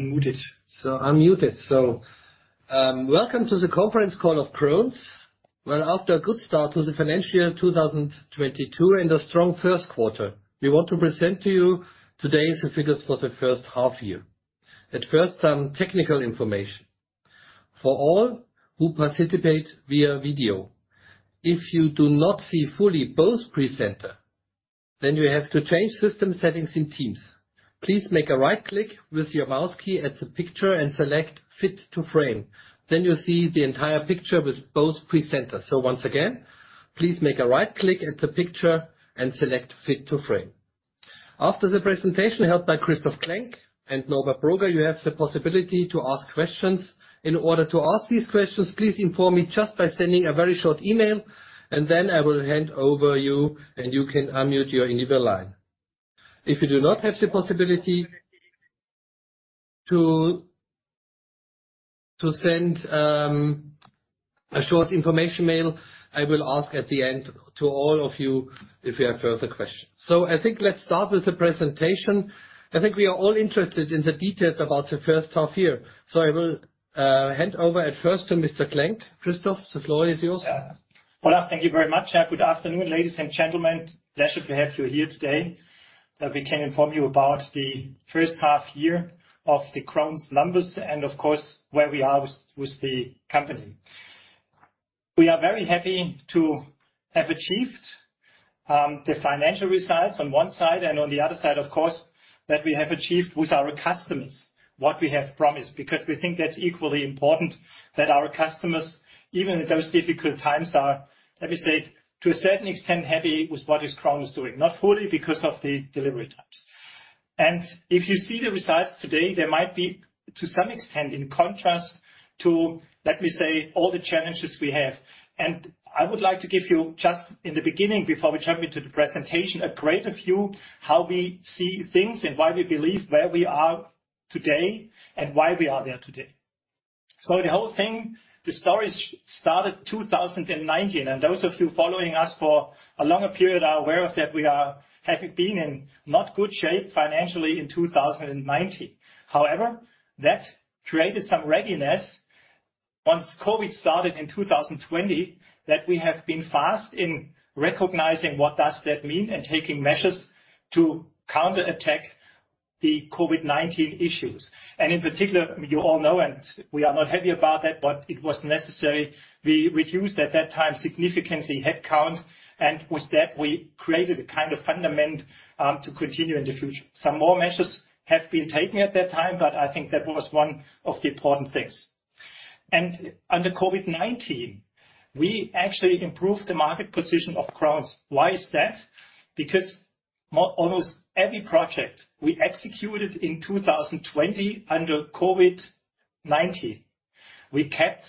Unmuted. Unmute it. Welcome to the conference call of Krones. Well, after a good start to the financial year 2022 and a strong first quarter, we want to present to you today the figures for the first half year. At first, some technical information. For all who participate via video, if you do not see fully both presenter, then you have to change system settings in Teams. Please make a right click with your mouse key at the picture and select Fit to Frame. Then you'll see the entire picture with both presenters. Once again, please make a right click at the picture and select Fit to Frame. After the presentation held by Christoph Klenk and Norbert Broger, you have the possibility to ask questions. In order to ask these questions, please inform me just by sending a very short email, and then I will hand over to you, and you can unmute your individual line. If you do not have the possibility to send a short email, I will ask at the end to all of you if you have further questions. I think let's start with the presentation. I think we are all interested in the details about the first half year. I will hand over first to Mr. Klenk. Christoph, the floor is yours. Yeah. Olaf, thank you very much. Good afternoon, ladies and gentlemen. Pleasure to have you here today, we can inform you about the first half year of the Krones numbers and of course, where we are with the company. We are very happy to have achieved the financial results on one side and on the other side, of course, that we have achieved with our customers what we have promised, because we think that's equally important that our customers, even in those difficult times, are, let me say, to a certain extent, happy with what is Krones doing. Not fully because of the delivery times. If you see the results today, there might be, to some extent, in contrast to, let me say, all the challenges we have. I would like to give you just in the beginning, before we jump into the presentation, a greater view how we see things and why we believe where we are today and why we are there today. The whole thing, the story started 2019, and those of you following us for a longer period are aware of that we are have been in not good shape financially in 2019. However, that created some readiness once COVID started in 2020, that we have been fast in recognizing what does that mean and taking measures to counterattack the COVID-19 issues. In particular, you all know, and we are not happy about that, but it was necessary, we reduced at that time significantly headcount, and with that, we created a kind of fundament to continue in the future. Some more measures have been taken at that time, but I think that was one of the important things. Under COVID-19, we actually improved the market position of Krones. Why is that? Because almost every project we executed in 2020 under COVID-19, we kept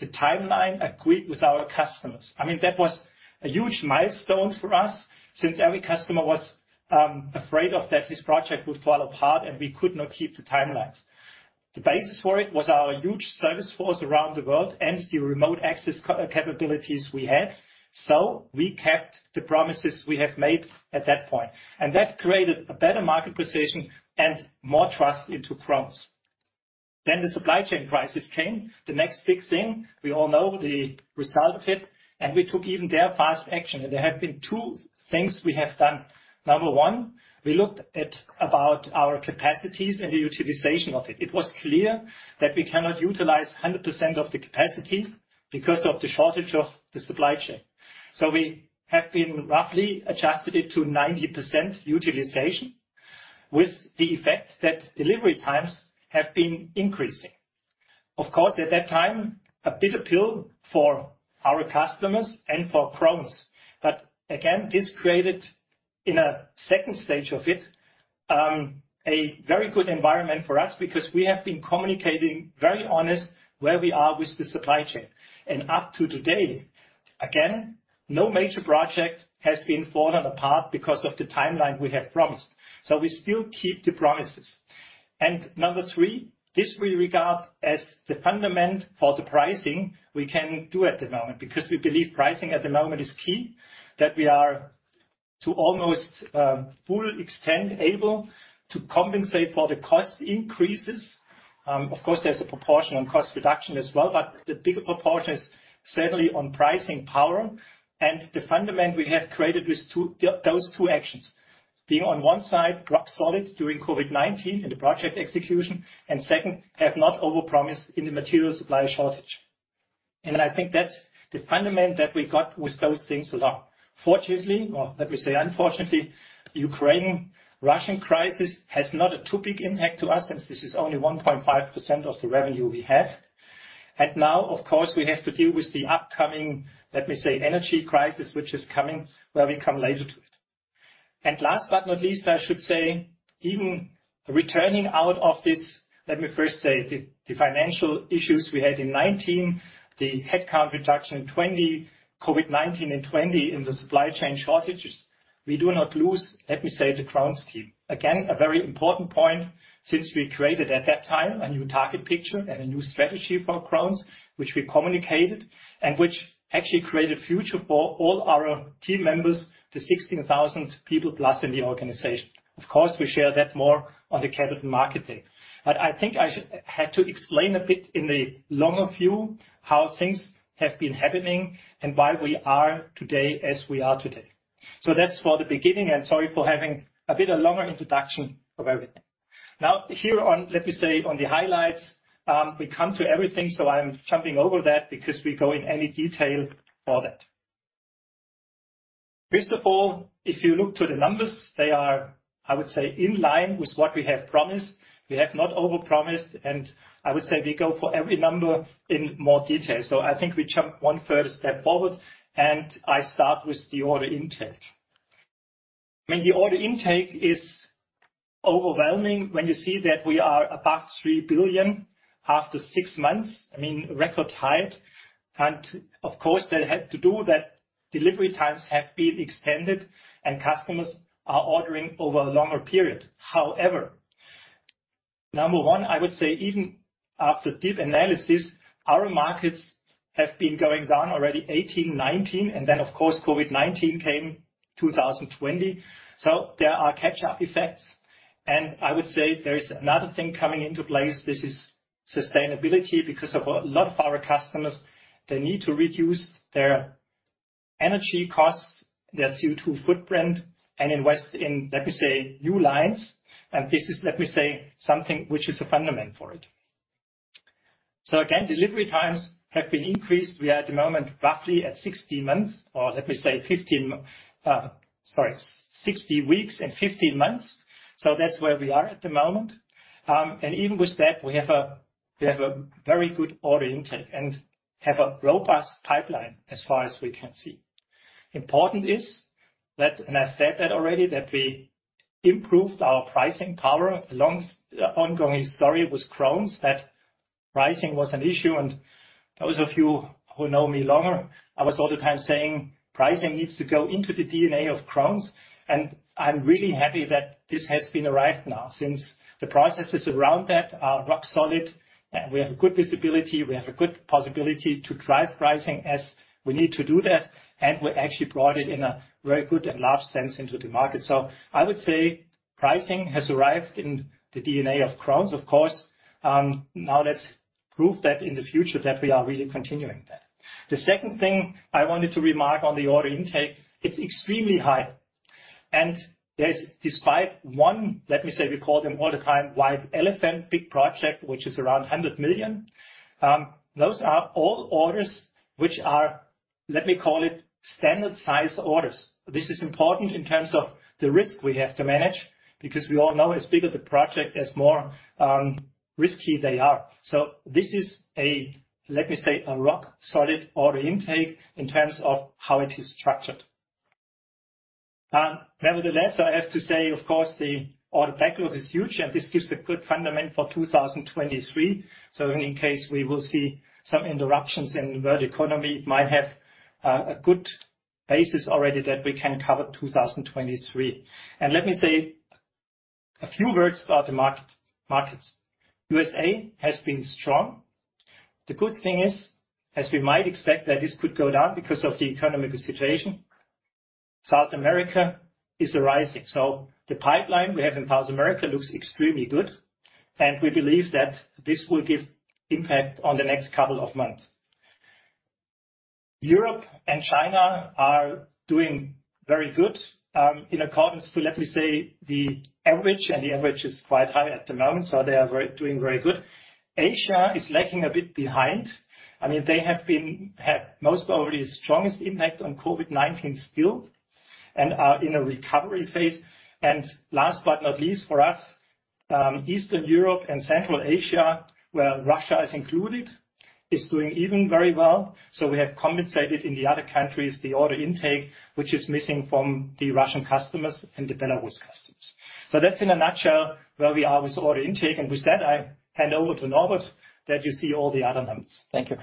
the timeline agreed with our customers. I mean, that was a huge milestone for us since every customer was afraid of that his project would fall apart and we could not keep the timelines. The basis for it was our huge service force around the world and the remote access capabilities we had. We kept the promises we have made at that point. That created a better market position and more trust into Krones. The supply chain crisis came, the next big thing. We all know the result of it, and we took even there fast action. There have been two things we have done. Number one, we looked at about our capacities and the utilization of it. It was clear that we cannot utilize 100% of the capacity because of the shortage of the supply chain. We have been roughly adjusted it to 90% utilization with the effect that delivery times have been increasing. Of course, at that time, a bitter pill for our customers and for Krones. This created in a second stage of it a very good environment for us because we have been communicating very honest where we are with the supply chain. Up to today, again, no major project has been fallen apart because of the timeline we have promised. We still keep the promises. Number three, this we regard as the fundament for the pricing we can do at the moment because we believe pricing at the moment is key, that we are to almost full extent able to compensate for the cost increases. Of course, there's a proportion on cost reduction as well, but the bigger proportion is certainly on pricing power and the fundament we have created with those two actions. Being on one side, rock solid during COVID-19 in the project execution, and second, have not overpromised in the material supply shortage. I think that's the fundament that we got with those things along. Fortunately, or let me say unfortunately, Ukraine-Russian crisis has not a too big impact to us since this is only 1.5% of the revenue we have. Now, of course, we have to deal with the upcoming, let me say, energy crisis, which is coming, where we come later to it. Last but not least, I should say, even returning out of this, let me first say the financial issues we had in 2019, the headcount reduction in 2020, COVID-19 and 2020, and the supply chain shortages. We do not lose, let me say, the Krones team. Again, a very important point since we created at that time a new target picture and a new strategy for Krones, which we communicated and which actually created future for all our team members, the 16,000 people+ in the organization. Of course, we share that more on the Capital Market Day. I think I had to explain a bit in the longer view how things have been happening and why we are today as we are today. That's for the beginning, and sorry for having a bit of longer introduction of everything. Now, here on, let me say, on the highlights, we come to everything, so I'm jumping over that because we go into any detail for that. First of all, if you look to the numbers, they are, I would say, in line with what we have promised. We have not overpromised, and I would say we go for every number in more detail. I think we jump one further step forward, and I start with the order intake. When the order intake is overwhelming, when you see that we are above 3 billion after six months, I mean, record high. Of course, that had to do with the fact that delivery times have been extended and customers are ordering over a longer period. However, number one, I would say even after deep analysis, our markets have been going down already 2018, 2019, and then, of course, COVID-19 came 2020. There are catch-up effects. I would say there is another thing coming into place, this is sustainability, because of a lot of our customers, they need to reduce their energy costs, their CO₂ footprint, and invest in, let me say, new lines. This is, let me say, something which is a fundament for it. Again, delivery times have been increased. We are at the moment roughly at 16 months, or let me say, 60 weeks and 15 months. That's where we are at the moment. Even with that, we have a very good order intake and have a robust pipeline as far as we can see. Important is that, and I said that already, that we improved our pricing power. Ongoing story with Krones, that pricing was an issue. Those of you who know me longer, I was all the time saying, "Pricing needs to go into the DNA of Krones." I'm really happy that this has been arrived now, since the processes around that are rock solid, and we have a good visibility, we have a good possibility to drive pricing as we need to do that, and we actually brought it in a very good and large sense into the market. I would say pricing has arrived in the DNA of Krones, of course. Now let's prove that in the future that we are really continuing that. The second thing I wanted to remark on the order intake, it's extremely high. There's despite one, let me say, we call them all the time, white elephant, big project, which is around 100 million. Those are all orders which are, let me call it, standard size orders. This is important in terms of the risk we have to manage, because we all know as bigger the project is more, risky they are. This is a, let me say, a rock solid order intake in terms of how it is structured. Nevertheless, I have to say, of course, the order backlog is huge, and this gives a good foundation for 2023. In case we will see some interruptions in world economy, it might have a good basis already that we can cover 2023. Let me say a few words about the market, markets. USA has been strong. The good thing is, as we might expect, that this could go down because of the economic situation. South America is rising. The pipeline we have in South America looks extremely good, and we believe that this will give impact on the next couple of months. Europe and China are doing very good in accordance to the average, let me say, and the average is quite high at the moment, so they are doing very good. Asia is lacking a bit behind. I mean, they had most probably the strongest impact on COVID-19 still and are in a recovery phase. Last but not least, for us, Eastern Europe and Central Asia, where Russia is included, is doing even very well. We have compensated in the other countries the order intake, which is missing from the Russian customers and the Belarus customers. That's in a nutshell where we are with order intake. With that, I hand over to Norbert that you see all the other numbers. Thank you,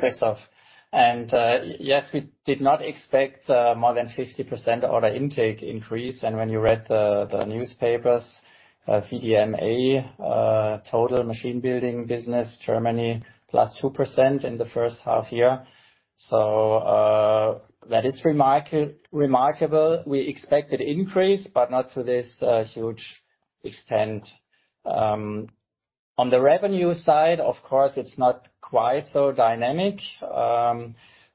Christoph. Yes, we did not expect more than 50% order intake increase. When you read the newspapers, VDMA total machine building business, Germany +2% in the first half year. That is remarkable. We expected increase, but not to this huge extent. On the revenue side, of course, it's not quite so dynamic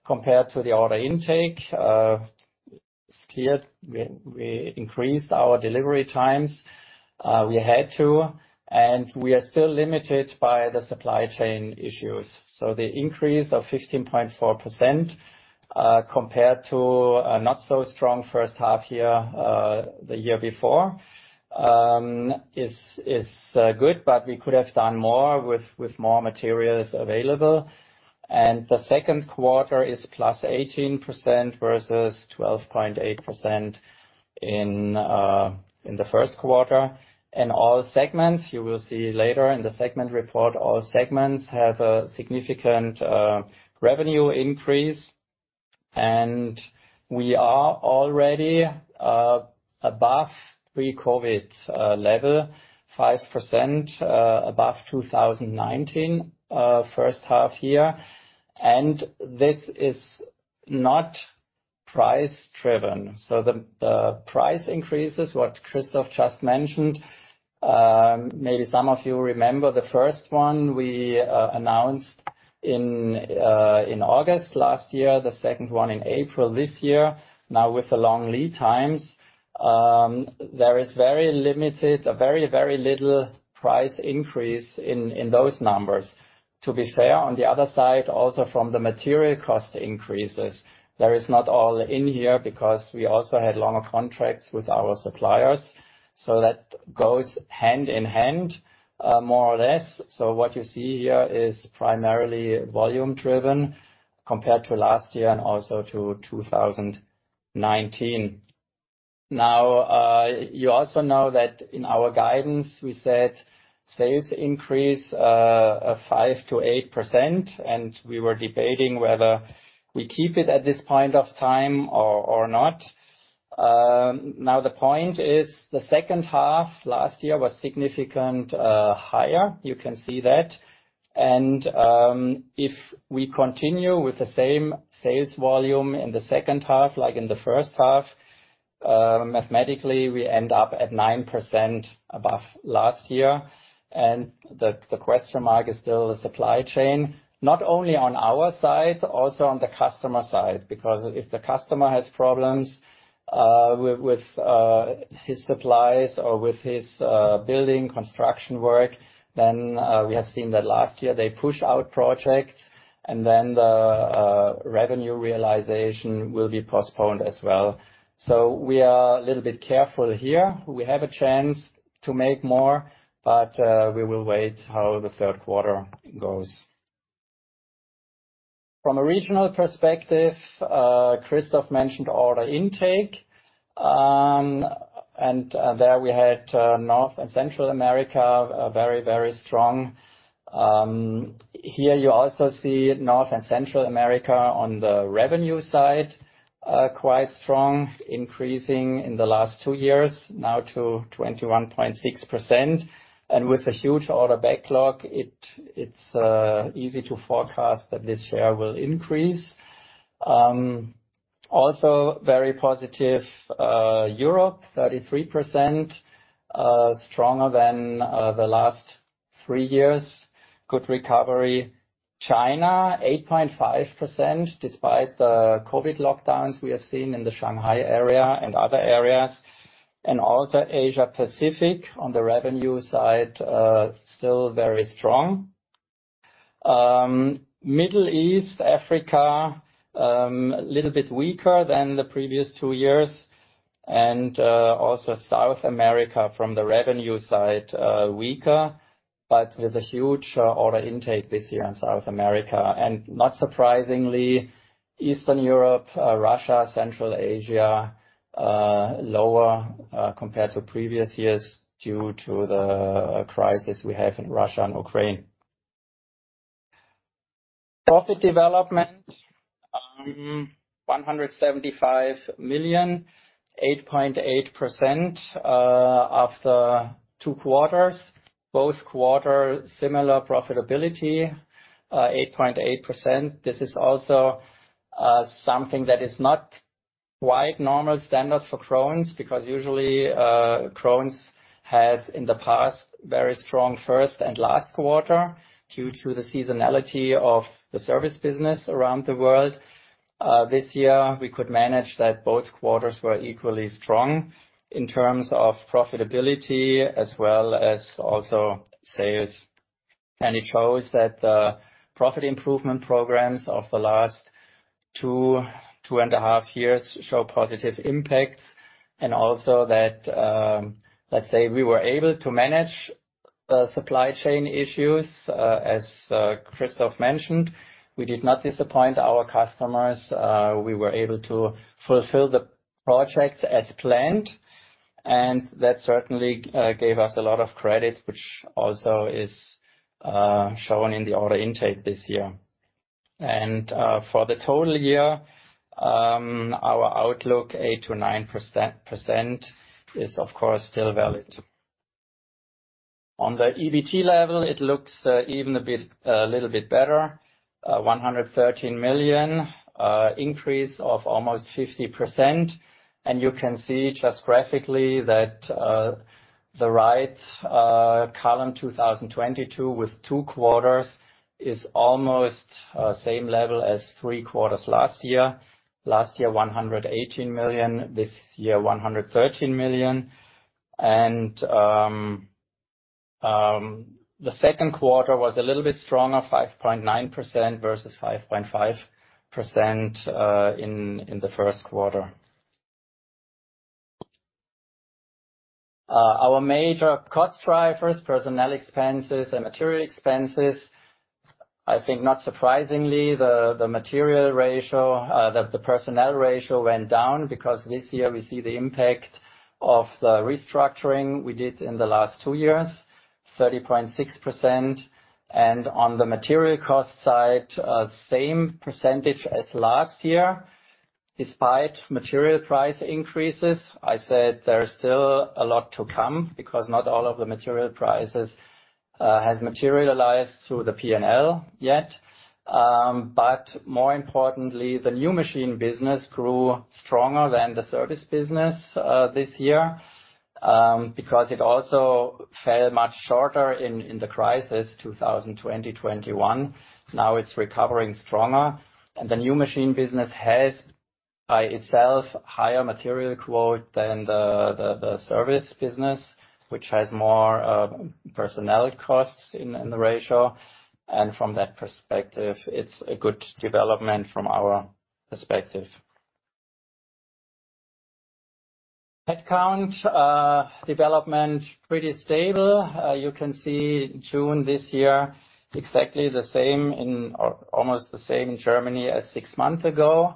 compared to the order intake. Clearly, we increased our delivery times. We had to, and we are still limited by the supply chain issues. The increase of 15.4% compared to a not so strong first half year the year before is good, but we could have done more with more materials available. The second quarter is +18% versus 12.8% in the first quarter. In all segments, you will see later in the segment report, all segments have a significant revenue increase. We are already above pre-COVID level, 5% above 2019 first half year. This is not price driven. The price increases, what Christoph just mentioned, maybe some of you remember the first one we announced in August last year, the second one in April this year. Now, with the long lead times, there is very limited, very little price increase in those numbers. To be fair, on the other side, also from the material cost increases, that is not all in here because we also had longer contracts with our suppliers. That goes hand in hand, more or less. What you see here is primarily volume driven compared to last year and also to 2019. Now, you also know that in our guidance, we said sales increase of 5%-8%, and we were debating whether we keep it at this point of time or not. Now the point is, the second half last year was significantly higher. You can see that. If we continue with the same sales volume in the second half, like in the first half, mathematically, we end up at 9% above last year. The question mark is still the supply chain, not only on our side, also on the customer side, because if the customer has problems with his supplies or with his building construction work, then we have seen that last year, they push out projects and then the revenue realization will be postponed as well. We are a little bit careful here. We have a chance to make more, but we will wait how the third quarter goes. From a regional perspective, Christoph mentioned order intake. There we had North and Central America very strong. Here you also see North and Central America on the revenue side quite strong, increasing in the last two years, now to 21.6%. With a huge order backlog, it's easy to forecast that this year will increase. Also very positive, Europe, 33%, stronger than the last three years. Good recovery. China, 8.5%, despite the COVID lockdowns we have seen in the Shanghai area and other areas. Also Asia Pacific on the revenue side, still very strong. Middle East, Africa, a little bit weaker than the previous two years. Also South America from the revenue side, weaker, but with a huge order intake this year in South America. Not surprisingly, Eastern Europe, Russia, Central Asia, lower, compared to previous years due to the crisis we have in Russia and Ukraine. Profit development, EUR 175 million, 8.8%, after two quarters. Both quarters, similar profitability, 8.8%. This is also something that is not quite normal standard for Krones. Because usually, Krones has in the past very strong first and last quarters due to the seasonality of the service business around the world. This year, we could manage that both quarters were equally strong in terms of profitability as well as also sales. It shows that the profit improvement programs of the last two and a half years show positive impacts. Also that, let's say, we were able to manage the supply chain issues as Christoph mentioned. We did not disappoint our customers. We were able to fulfill the projects as planned, and that certainly gave us a lot of credit, which also is shown in the order intake this year. For the total year, our outlook 8%-9% is of course still valid. On the EBT level, it looks even a bit a little bit better. 113 million increase of almost 50%. You can see just graphically that the right column 2022 with two quarters is almost same level as three quarters last year. Last year, 118 million. This year, 113 million. The second quarter was a little bit stronger, 5.9% versus 5.5% in the first quarter. Our major cost drivers, personnel expenses and material expenses. I think not surprisingly, the material ratio, the personnel ratio went down because this year we see the impact of the restructuring we did in the last 2 years, 30.6%. On the material cost side, same percentage as last year, despite material price increases. I said there is still a lot to come because not all of the material prices has materialized through the P&L yet. But more importantly, the new machine business grew stronger than the service business this year, because it also fell much shorter in the crisis 2020 to 2021. Now it's recovering stronger. The new machine business has, by itself, higher material quota than the service business, which has more personnel costs in the ratio. From that perspective, it's a good development from our perspective. Headcount development pretty stable. You can see June this year, exactly the same or almost the same in Germany as six months ago.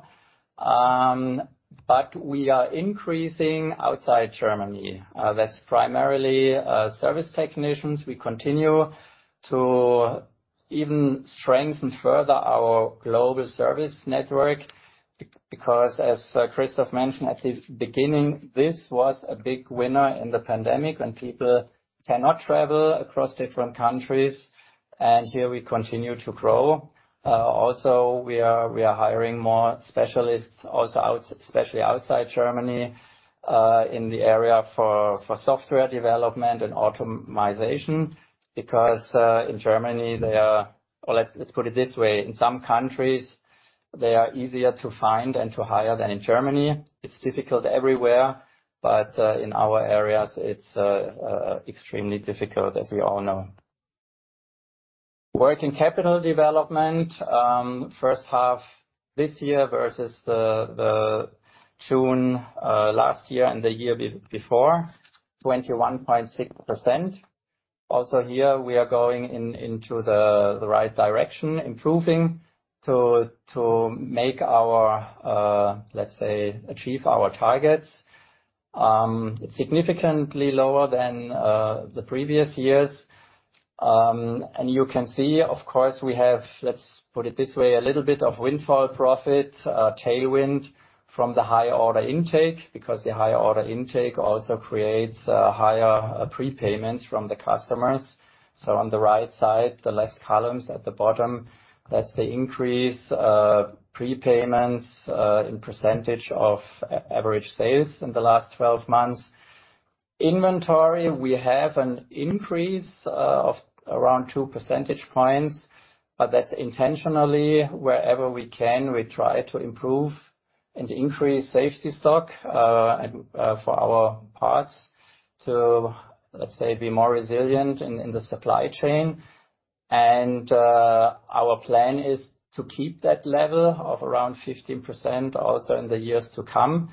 We are increasing outside Germany. That's primarily service technicians. We continue to even strengthen further our global service network because as Christoph mentioned at the beginning, this was a big winner in the pandemic when people cannot travel across different countries. Here we continue to grow. Also we are hiring more specialists also especially outside Germany in the area for software development and automation because let's put it this way, in some countries, they are easier to find and to hire than in Germany. It's difficult everywhere, but in our areas it's extremely difficult as we all know. Working capital development, first half this year versus the June last year and the year before, 21.6%. Also here we are going into the right direction, improving to make our, let's say, achieve our targets, significantly lower than the previous years. You can see, of course, we have, let's put it this way, a little bit of windfall profit tailwind from the higher order intake because the higher order intake also creates higher prepayments from the customers. On the right side, the left columns at the bottom, that's the increase prepayments in percentage of average sales in the last 12 months. Inventory, we have an increase of around 2 percentage points, but that's intentionally. Wherever we can, we try to improve and increase safety stock, and for our parts to, let's say, be more resilient in the supply chain. Our plan is to keep that level of around 15% also in the years to come.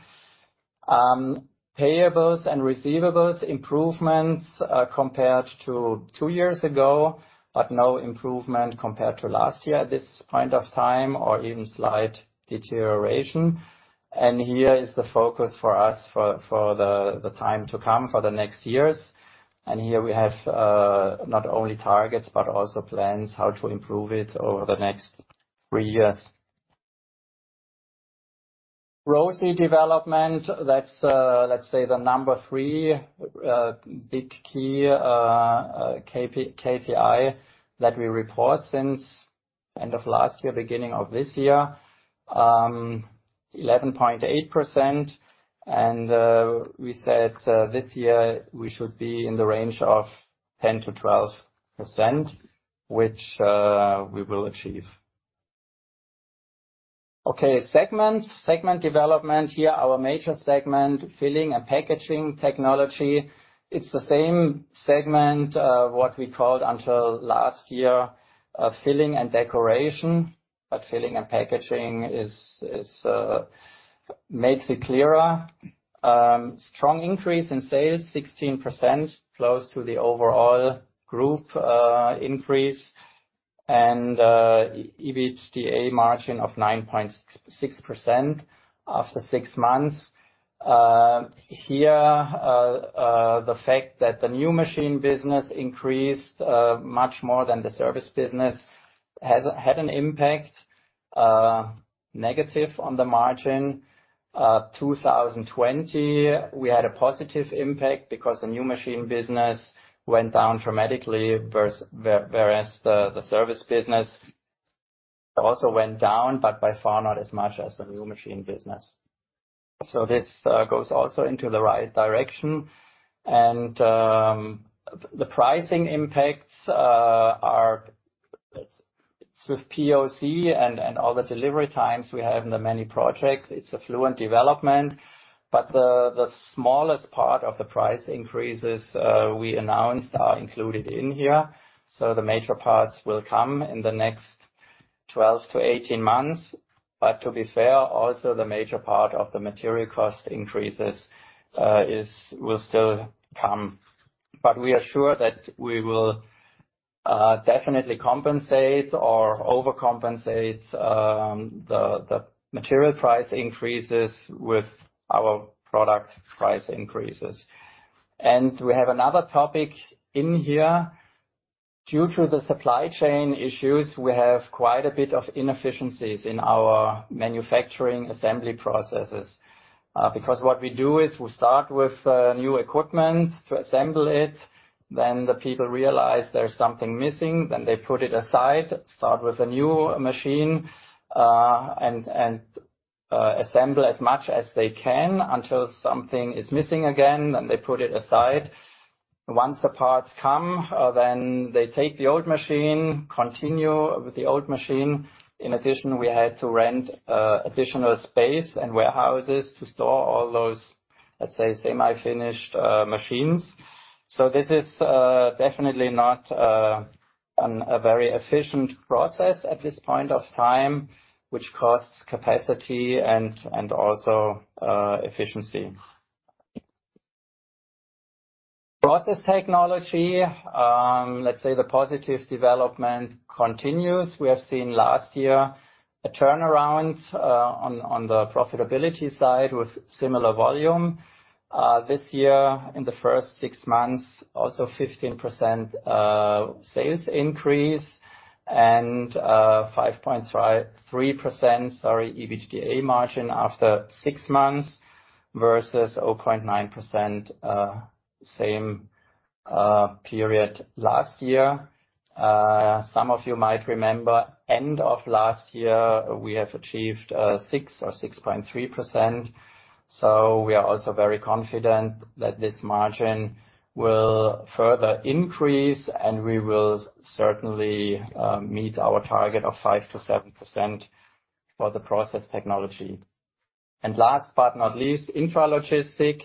Payables and receivables, improvements compared to two years ago, but no improvement compared to last year at this point of time, or even slight deterioration. Here is the focus for us for the time to come, for the next years. Here we have not only targets, but also plans how to improve it over the next three years. ROCE development, that's let's say the number three big key KPI that we report since end of last year, beginning of this year, 11.8%. We said this year we should be in the range of 10%-12%, which we will achieve. Okay. Segments. Segment development. Here, our major segment, Filling and Packaging Technology. It's the same segment what we called until last year, Filling and Decoration, but Filling and Packaging makes it clearer. Strong increase in sales, 16%, close to the overall group increase. EBITDA margin of 9.6% after six months. Here, the fact that the new machine business increased much more than the service business had a negative impact on the margin. 2020, we had a positive impact because the new machine business went down dramatically whereas the service business also went down, but by far not as much as the new machine business. This goes also into the right direction. The pricing impacts are with POC and all the delivery times we have in the many projects. It's a fluid development, but the smallest part of the price increases we announced are included in here. The major parts will come in the next 12 to 18 months. To be fair, also the major part of the material cost increases will still come. We are sure that we will definitely compensate or overcompensate the material price increases with our product price increases. We have another topic in here. Due to the supply chain issues, we have quite a bit of inefficiencies in our manufacturing assembly processes. Because what we do is we start with new equipment to assemble it, then the people realize there's something missing, then they put it aside, start with a new machine, and assemble as much as they can until something is missing again, then they put it aside. Once the parts come, then they take the old machine, continue with the old machine. In addition, we had to rent additional space and warehouses to store all those, let's say, semi-finished machines. This is definitely not a very efficient process at this point of time, which costs capacity and also efficiency. Process Technology, let's say the positive development continues. We have seen last year a turnaround on the profitability side with similar volume. This year in the first six months, also 15% sales increase and 5.3% EBITDA margin after six months versus 0.9% same period last year. Some of you might remember end of last year, we have achieved 6% or 6.3%. We are also very confident that this margin will further increase, and we will certainly meet our target of 5%-7% for the Process Technology. Last but not least, Intralogistics.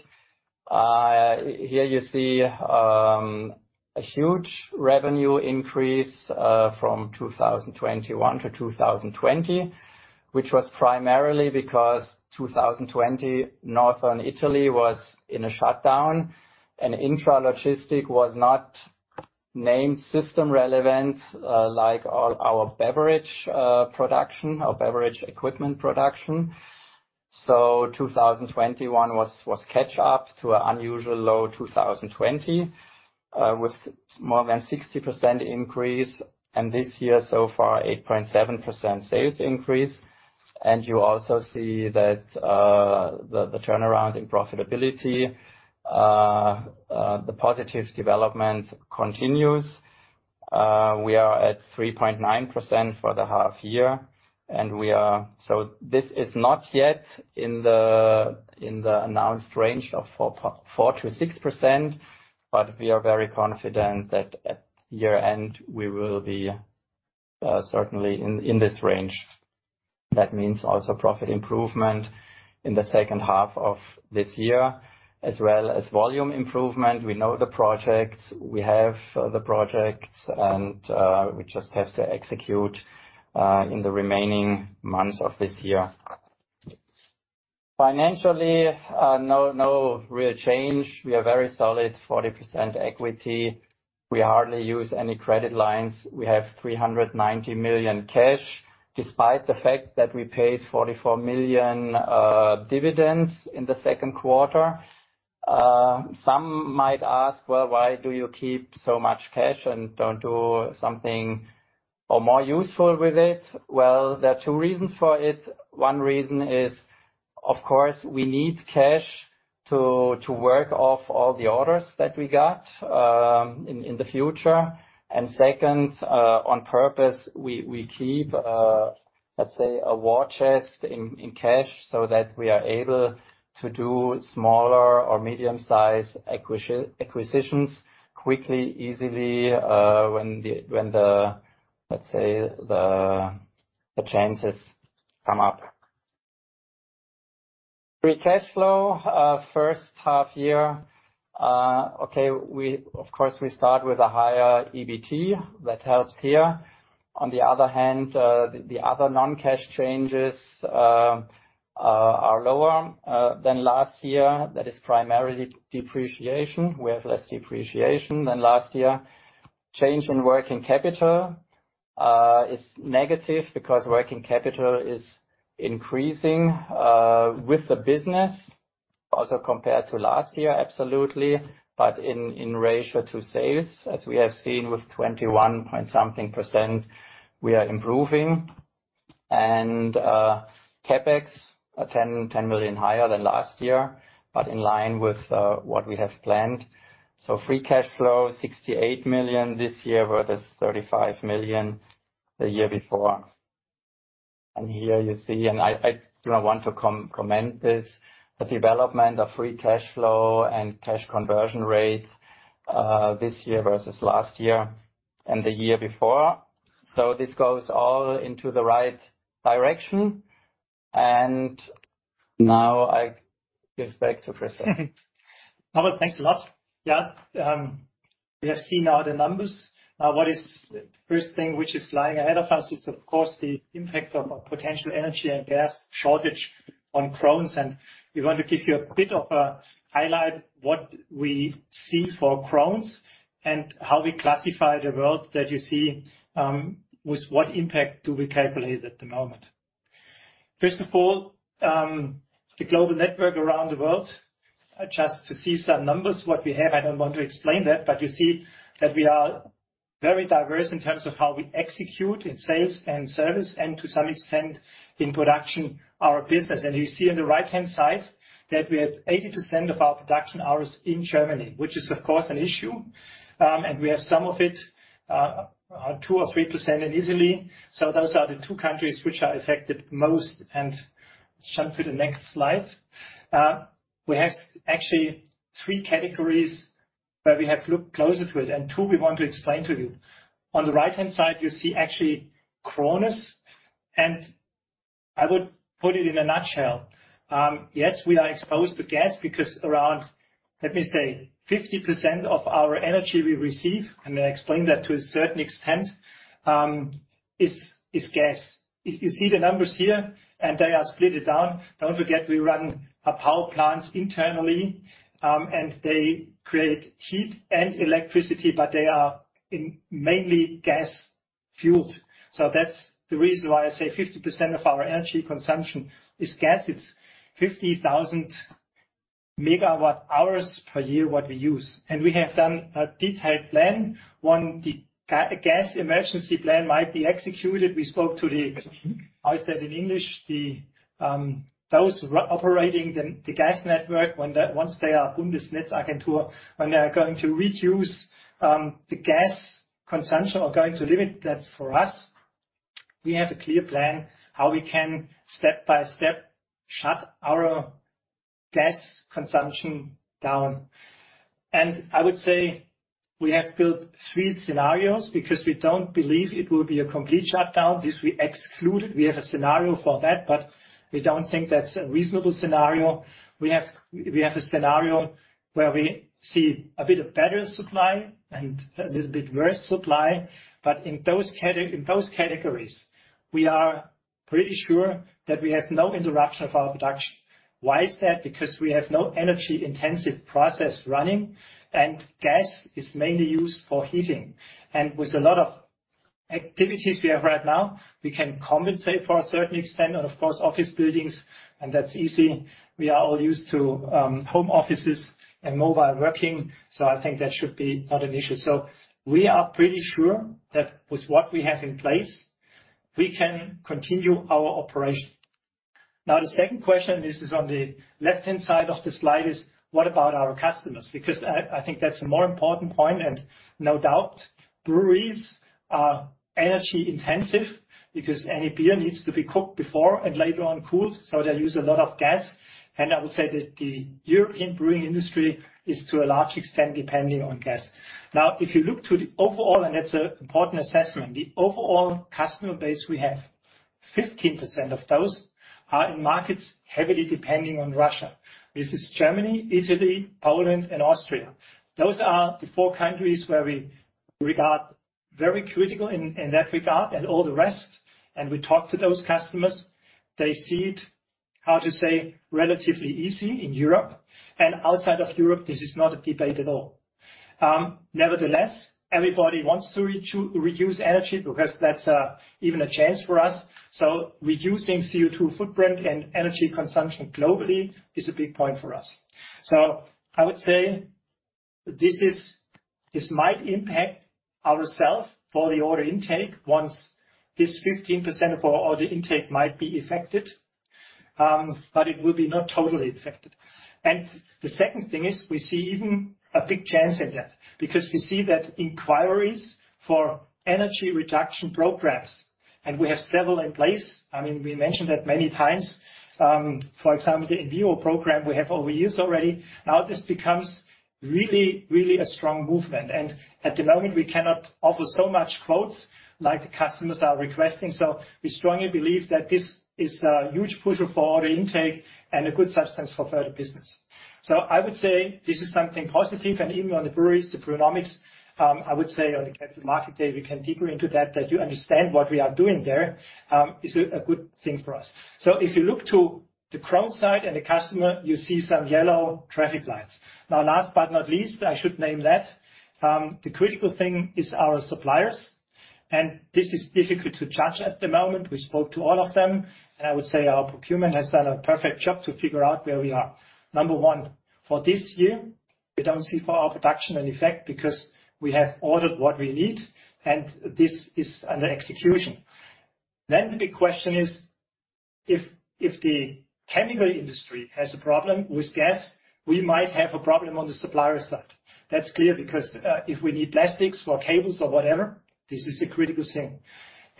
Here you see a huge revenue increase from 2021 to 2020, which was primarily because 2020, Northern Italy was in a shutdown, and Intralogistics was not deemed system-relevant, like all our beverage production or beverage equipment production. 2021 was catch up to an unusual low 2020, with more than 60% increase. This year so far, 8.7% sales increase. You also see that the turnaround in profitability, the positive development continues. We are at 3.9% for the half year. This is not yet in the announced range of 4%-6%, but we are very confident that at year-end, we will be certainly in this range. That means also profit improvement in the second half of this year as well as volume improvement. We know the projects, we have the projects and we just have to execute in the remaining months of this year. Financially, no real change. We are very solid, 40% equity. We hardly use any credit lines. We have 390 million cash, despite the fact that we paid 44 million dividends in the second quarter. Some might ask, "Well, why do you keep so much cash and don't do something or more useful with it?" Well, there are two reasons for it. One reason is, of course, we need cash to work off all the orders that we got in the future. Second, on purpose, we keep, let's say, a war chest in cash so that we are able to do smaller or medium-sized acquisitions quickly, easily, when the chances come up. Free cash flow, first half year. Okay, we of course start with a higher EBT. That helps here. On the other hand, the other non-cash changes are lower than last year. That is primarily depreciation. We have less depreciation than last year. Change in working capital is negative because working capital is increasing with the business also compared to last year, absolutely. In ratio to sales, as we have seen with 21%, we are improving. CapEx are 10 million higher than last year, but in line with what we have planned. Free cash flow, 68 million this year versus 35 million the year before. Here you see, and I you know want to comment this, the development of free cash flow and cash conversion rates, this year versus last year and the year before. This goes all into the right direction. Now I give back to Christoph. Norbert, thanks a lot. Yeah. We have seen now the numbers. Now, what is the first thing which is lying ahead of us is of course, the impact of a potential energy and gas shortage on Krones. We want to give you a bit of a highlight what we see for Krones and how we classify the world that you see, with what impact do we calculate at the moment. First of all, the global network around the world. Just to see some numbers, what we have, I don't want to explain that, but you see that we are very diverse in terms of how we execute in sales and service, and to some extent in production, our business. You see on the right-hand side that we have 80% of our production hours in Germany, which is of course an issue. We have some of it, 2 or 3% in Italy. Those are the two countries which are affected most. Let's jump to the next slide. We have actually three categories where we have looked closer to it, and two we want to explain to you. On the right-hand side, you see actually Krones. I would put it in a nutshell, yes, we are exposed to gas because around, let me say 50% of our energy we receive, and I explain that to a certain extent, is gas. If you see the numbers here, and they are split down, don't forget we run our power plants internally, and they create heat and electricity, but they are mainly gas fueled. That's the reason why I say 50% of our energy consumption is gas. It's 50,000 MWh per year what we use. We have done a detailed plan. One, the gas emergency plan might be executed. We spoke to those operating the gas network once the Bundesnetzagentur when they are going to reduce the gas consumption or going to limit that for us, we have a clear plan how we can step by step shut our gas consumption down. I would say we have built three scenarios because we don't believe it will be a complete shutdown. This we excluded. We have a scenario for that, but we don't think that's a reasonable scenario. We have a scenario where we see a bit of better supply and a little bit worse supply. In those categories, we are pretty sure that we have no interruption of our production. Why is that? Because we have no energy-intensive process running, and gas is mainly used for heating. With a lot of activities we have right now, we can compensate for a certain extent. Of course, office buildings, and that's easy. We are all used to home offices and mobile working. I think that should be not an issue. We are pretty sure that with what we have in place, we can continue our operation. Now, the second question, this is on the left-hand side of the slide, is what about our customers? Because I think that's a more important point, and no doubt breweries are energy intensive because any beer needs to be cooked before and later on cooled. They use a lot of gas. I would say that the European brewing industry is to a large extent depending on gas. Now, if you look to the overall, and that's an important assessment, the overall customer base we have, 15% of those are in markets heavily depending on Russia. This is Germany, Italy, Poland, and Austria. Those are the four countries where we regard very critical in that regard and all the rest. We talk to those customers. They see it, how to say, relatively easy in Europe. Outside of Europe, this is not a debate at all. Nevertheless, everybody wants to reduce energy because that's even a chance for us. Reducing CO₂ footprint and energy consumption globally is a big point for us. I would say this is. This might impact ourselves for the order intake once this 15% of our order intake might be affected, but it will be not totally affected. The second thing is we see even a big chance in that, because we see that inquiries for energy reduction programs, and we have several in place. I mean, we mentioned that many times. For example, the Inveo program we have over years already. Now this becomes really, really a strong movement. At the moment, we cannot offer so much quotes like the customers are requesting. We strongly believe that this is a huge booster for order intake and a good substance for further business. I would say this is something positive. Even on the breweries, the Brewnomic, I would say on the Capital Market Day, we can go deeper into that you understand what we are doing there, is a good thing for us. If you look to the Krones side and the customer, you see some yellow traffic lights. Now last but not least, I should name that, the critical thing is our suppliers. This is difficult to judge at the moment. We spoke to all of them. I would say our procurement has done a perfect job to figure out where we are. Number one, for this year, we don't see for our production an effect because we have ordered what we need and this is under execution. The big question is, if the chemical industry has a problem with gas, we might have a problem on the supplier side. That's clear because if we need plastics or cables or whatever, this is a critical thing.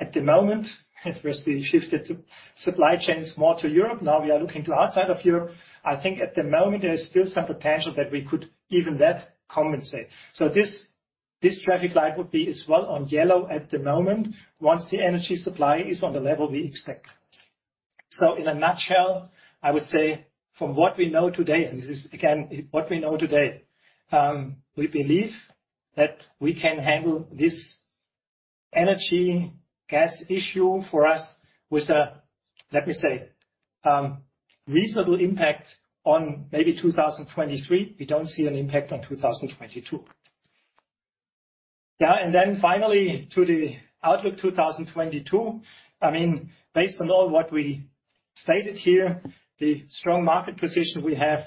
At the moment, at first we shifted the supply chains more to Europe. Now we are looking to outside of Europe. I think at the moment, there is still some potential that we could even that compensate. This traffic light would be as well on yellow at the moment once the energy supply is on the level we expect. In a nutshell, I would say from what we know today, and this is again what we know today, we believe that we can handle this energy gas issue for us with a, let me say, reasonable impact on maybe 2023. We don't see an impact on 2022. Yeah. Finally to the outlook 2022. I mean, based on all what we stated here, the strong market position we have,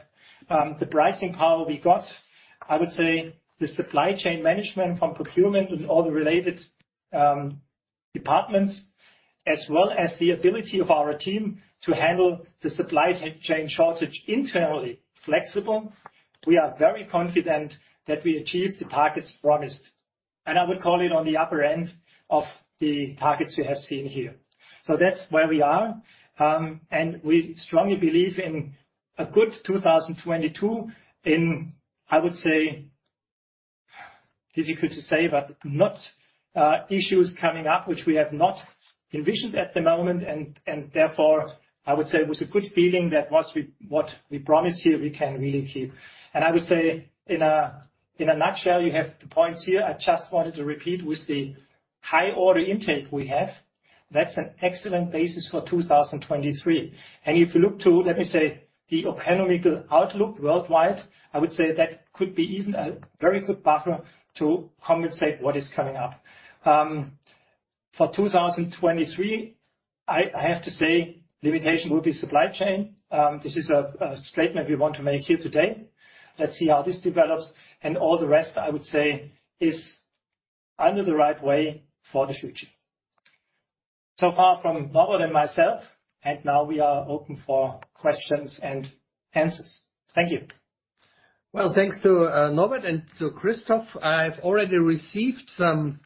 the pricing power we got, I would say the supply chain management from procurement and all the related, departments, as well as the ability of our team to handle the supply chain shortage internally, flexible. We are very confident that we achieve the targets promised, and I would call it on the upper end of the targets you have seen here. That's where we are. We strongly believe in a good 2022, I would say, difficult to say, but not issues coming up which we have not envisioned at the moment. Therefore, I would say with a good feeling that what we promise here, we can really keep. I would say in a nutshell, you have the points here. I just wanted to repeat with the high order intake we have, that's an excellent basis for 2023. If you look to, let me say, the economic outlook worldwide, I would say that could be even a very good buffer to compensate what is coming up. For 2023, I have to say limitation will be supply chain. This is a statement we want to make here today. Let's see how this develops. All the rest, I would say, is on the right way for the future. So far from Norbert and myself, and now we are open for questions and answers. Thank you. Well, thanks to Norbert and to Christoph. I've already received some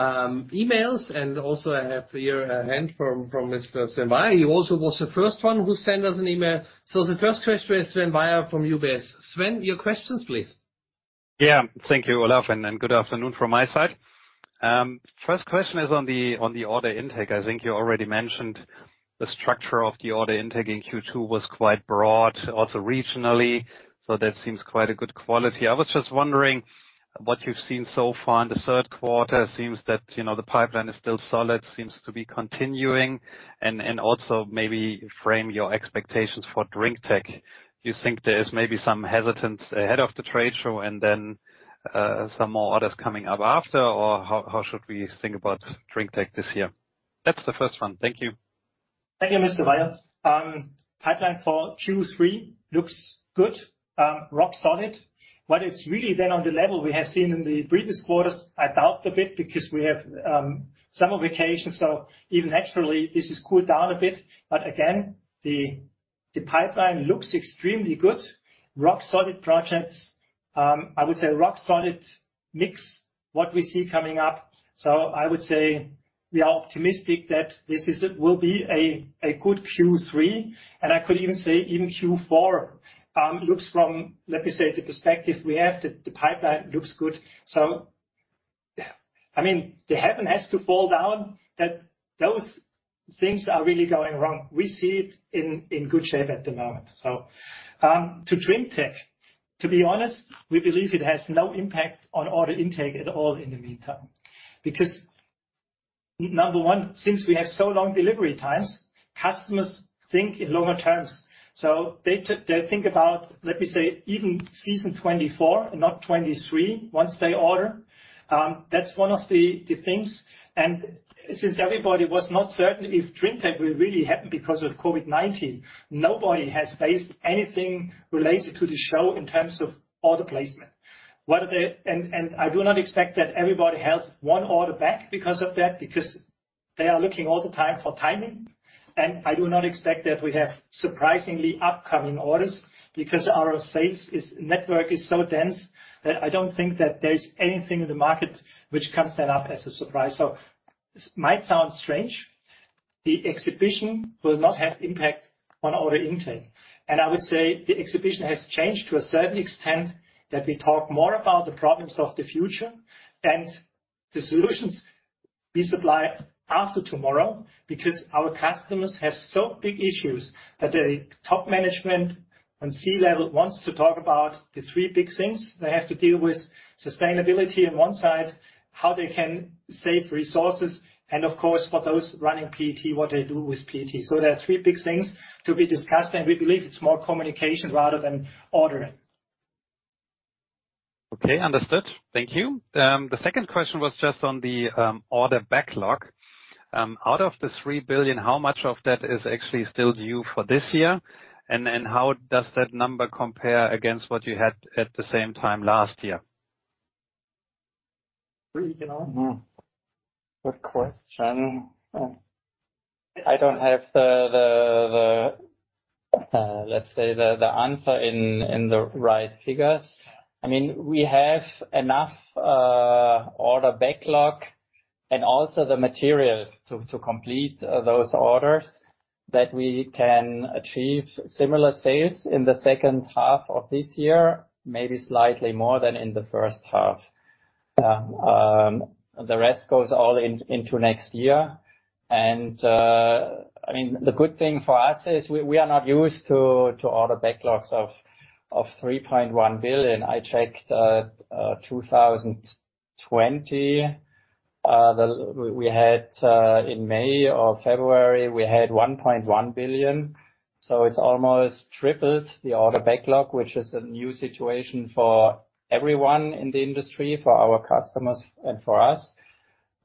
emails, and also I have here a hand from Mr. Sven Weier. He also was the first one who sent us an email. The first question is Sven Weier from UBS. Sven, your questions, please. Yeah. Thank you, Olaf, and good afternoon from my side. First question is on the order intake. I think you already mentioned the structure of the order intake in Q2 was quite broad, also regionally, so that seems quite a good quality. I was just wondering what you've seen so far in the third quarter. Seems that, you know, the pipeline is still solid, seems to be continuing, and also maybe frame your expectations for drinktec. Do you think there is maybe some hesitance ahead of the trade show and then some more orders coming up after? Or how should we think about drinktec this year? That's the first one. Thank you. Thank you, Mr. Weier. Pipeline for Q3 looks good, rock solid. It's really then on the level we have seen in the previous quarters. I doubt a bit because we have summer vacations, so even naturally this has cooled down a bit. Again, the pipeline looks extremely good. Rock solid projects. I would say rock solid mix, what we see coming up. I would say we are optimistic that this will be a good Q3, and I could even say even Q4 looks from, let me say, the perspective we have, the pipeline looks good. I mean, the heaven has to fall down that those things are really going wrong. We see it in good shape at the moment. To drinktec, to be honest, we believe it has no impact on order intake at all in the meantime. Because number one, since we have so long delivery times, customers think in longer terms. They think about, let me say, even season 2024 and not 2023 once they order. That's one of the things. Since everybody was not certain if drinktec will really happen because of COVID-19, nobody has based anything related to the show in terms of order placement. I do not expect that everybody holds one order back because of that, because they are looking all the time for timing. I do not expect that we have surprisingly upcoming orders because our sales network is so dense that I don't think that there is anything in the market which comes then up as a surprise. This might sound strange. The exhibition will not have impact on order intake. I would say the exhibition has changed to a certain extent that we talk more about the problems of the future and the solutions we supply after tomorrow, because our customers have so big issues that the top management and C-level wants to talk about the three big things. They have to deal with sustainability on one side, how they can save resources, and of course, for those running PET, what they do with PET. There are three big things to be discussed, and we believe it's more communication rather than ordering. Okay. Understood. Thank you. The second question was just on the order backlog. Out of the 3 billion, how much of that is actually still due for this year? How does that number compare against what you had at the same time last year? Norbert Broger, you know? Good question. I don't have, let's say, the answer in the right figures. I mean, we have enough order backlog and also the materials to complete those orders that we can achieve similar sales in the second half of this year, maybe slightly more than in the first half. The rest goes all into next year. I mean, the good thing for us is we are not used to order backlogs of 3.1 billion. I checked 2020. We had in May or February, we had 1.1 billion. It's almost tripled the order backlog, which is a new situation for everyone in the industry, for our customers and for us.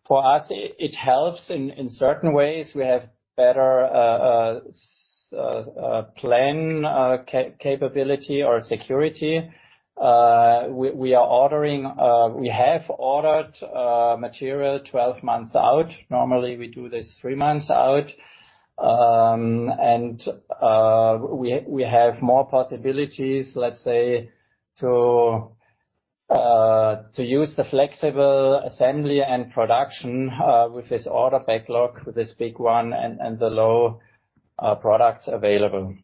For us, it helps in certain ways. We have better planning capability or security. We have ordered material 12 months out. Normally, we do this 3 months out. We have more possibilities, let's say, to use the flexible assembly and production with this order backlog, with this big one and the low products available.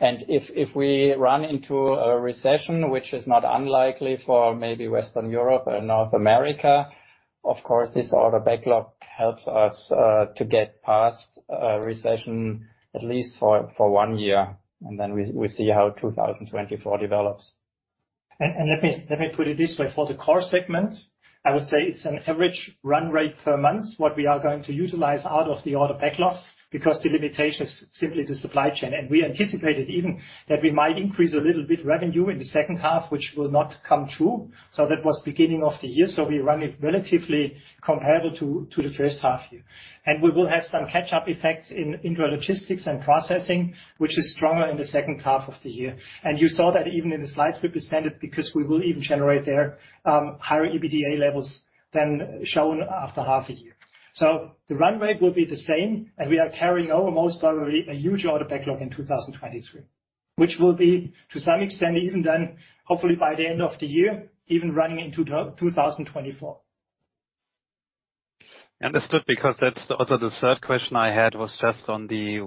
If we run into a recession, which is not unlikely for maybe Western Europe or North America, of course, this order backlog helps us to get past a recession at least for one year. Then we see how 2024 develops. Let me put it this way. For the core segment, I would say it's an average run rate per month, what we are going to utilize out of the order backlog, because the limitation is simply the supply chain. We anticipated even that we might increase a little bit revenue in the second half, which will not come true. That was beginning of the year. We run it relatively comparable to the first half year. We will have some catch-up effects in Intralogistics and processing, which is stronger in the second half of the year. You saw that even in the slides we presented, because we will even generate there higher EBITDA levels than shown after half a year. The run rate will be the same, and we are carrying over most probably a huge order backlog in 2023. Which will be, to some extent, even then, hopefully by the end of the year, even running into 2024. Understood, because that's also the third question I had was just on the,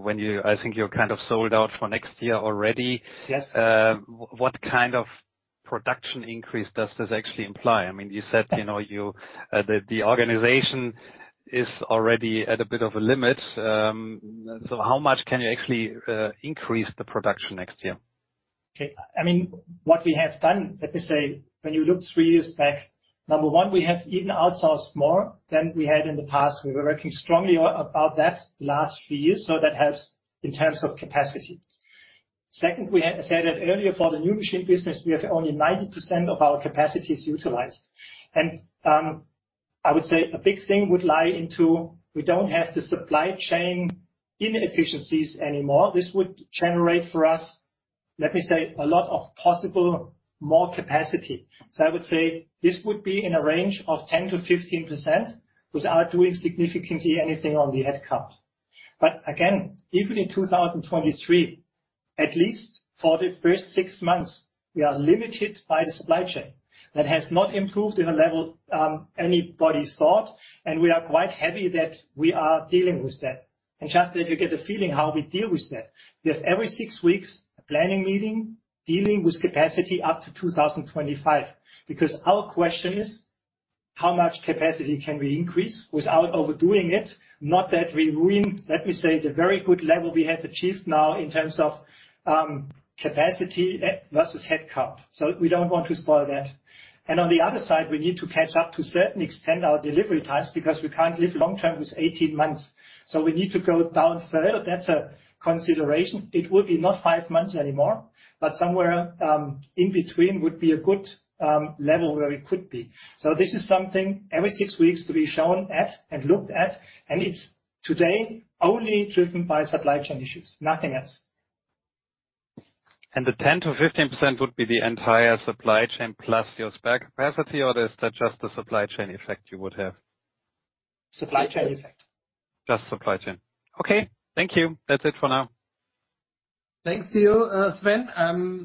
I think you're kind of sold out for next year already. Yes. What kind of production increase does this actually imply? I mean, you said, you know, you, the organization is already at a bit of a limit. So how much can you actually increase the production next year? Okay. I mean, what we have done, let me say, when you look 3 years back, number one, we have even outsourced more than we had in the past. We were working strongly about that last few years, so that helps in terms of capacity. Second, we said it earlier, for the new machine business, we have only 90% of our capacities utilized. I would say a big thing would lie into we don't have the supply chain inefficiencies anymore. This would generate for us, let me say, a lot of possible more capacity. So I would say this would be in a range of 10%-15% without doing significantly anything on the headcount. Again, even in 2023, at least for the first 6 months, we are limited by the supply chain. That has not improved to a level anybody thought, and we are quite happy that we are dealing with that. Just that you get a feeling how we deal with that. We have every 6 weeks a planning meeting dealing with capacity up to 2025. Because our question is how much capacity can we increase without overdoing it? Not that we ruin, let me say, the very good level we have achieved now in terms of capacity versus headcount. We don't want to spoil that. On the other side, we need to catch up to certain extent our delivery times because we can't live long-term with 18 months. We need to go down further. That's a consideration. It will be not 5 months anymore, but somewhere in between would be a good level where we could be. This is something every six weeks to be shown at and looked at, and it's today only driven by supply chain issues, nothing else. The 10%-15% would be the entire supply chain plus your spare capacity, or is that just the supply chain effect you would have? Supply chain effect. Just supply chain. Okay. Thank you. That's it for now. Thanks to you, Sven.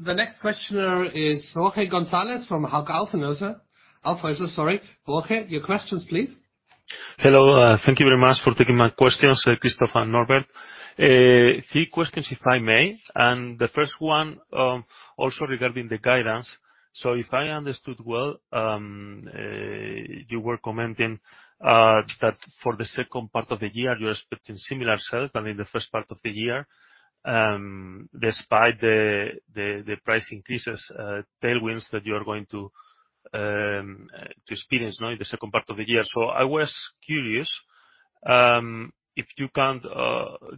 The next questioner is Jorge González from Hauck Aufhäuser Lampe. Jorge, your questions, please. Hello. Thank you very much for taking my questions, Christoph and Norbert. Three questions, if I may. The first one, also regarding the guidance. If I understood well, you were commenting that for the second part of the year, you're expecting similar sales than in the first part of the year, despite the price increases tailwinds that you're going to experience now in the second part of the year. I was curious if you can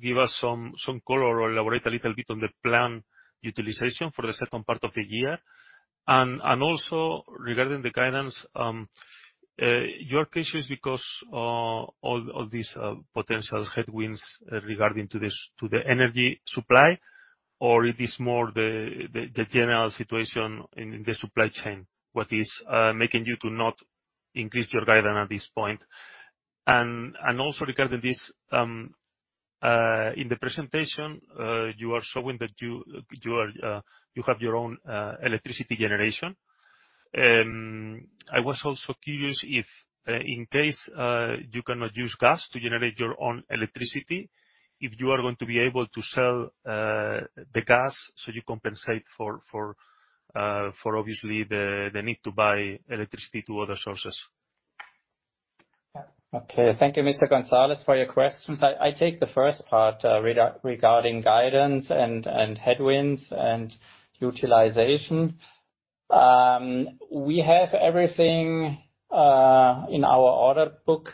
give us some color or elaborate a little bit on the plant utilization for the second part of the year. Also regarding the guidance, your guess is because all these potential headwinds regarding this to the energy supply, or it is more the general situation in the supply chain, what is making you not increase your guidance at this point? Also regarding this, in the presentation, you are showing that you have your own electricity generation. I was also curious if, in case you cannot use gas to generate your own electricity, if you are going to be able to sell the gas, so you compensate for obviously the need to buy electricity from other sources. Okay. Thank you, Mr. González, for your questions. I take the first part regarding guidance and headwinds and utilization. We have everything in our order book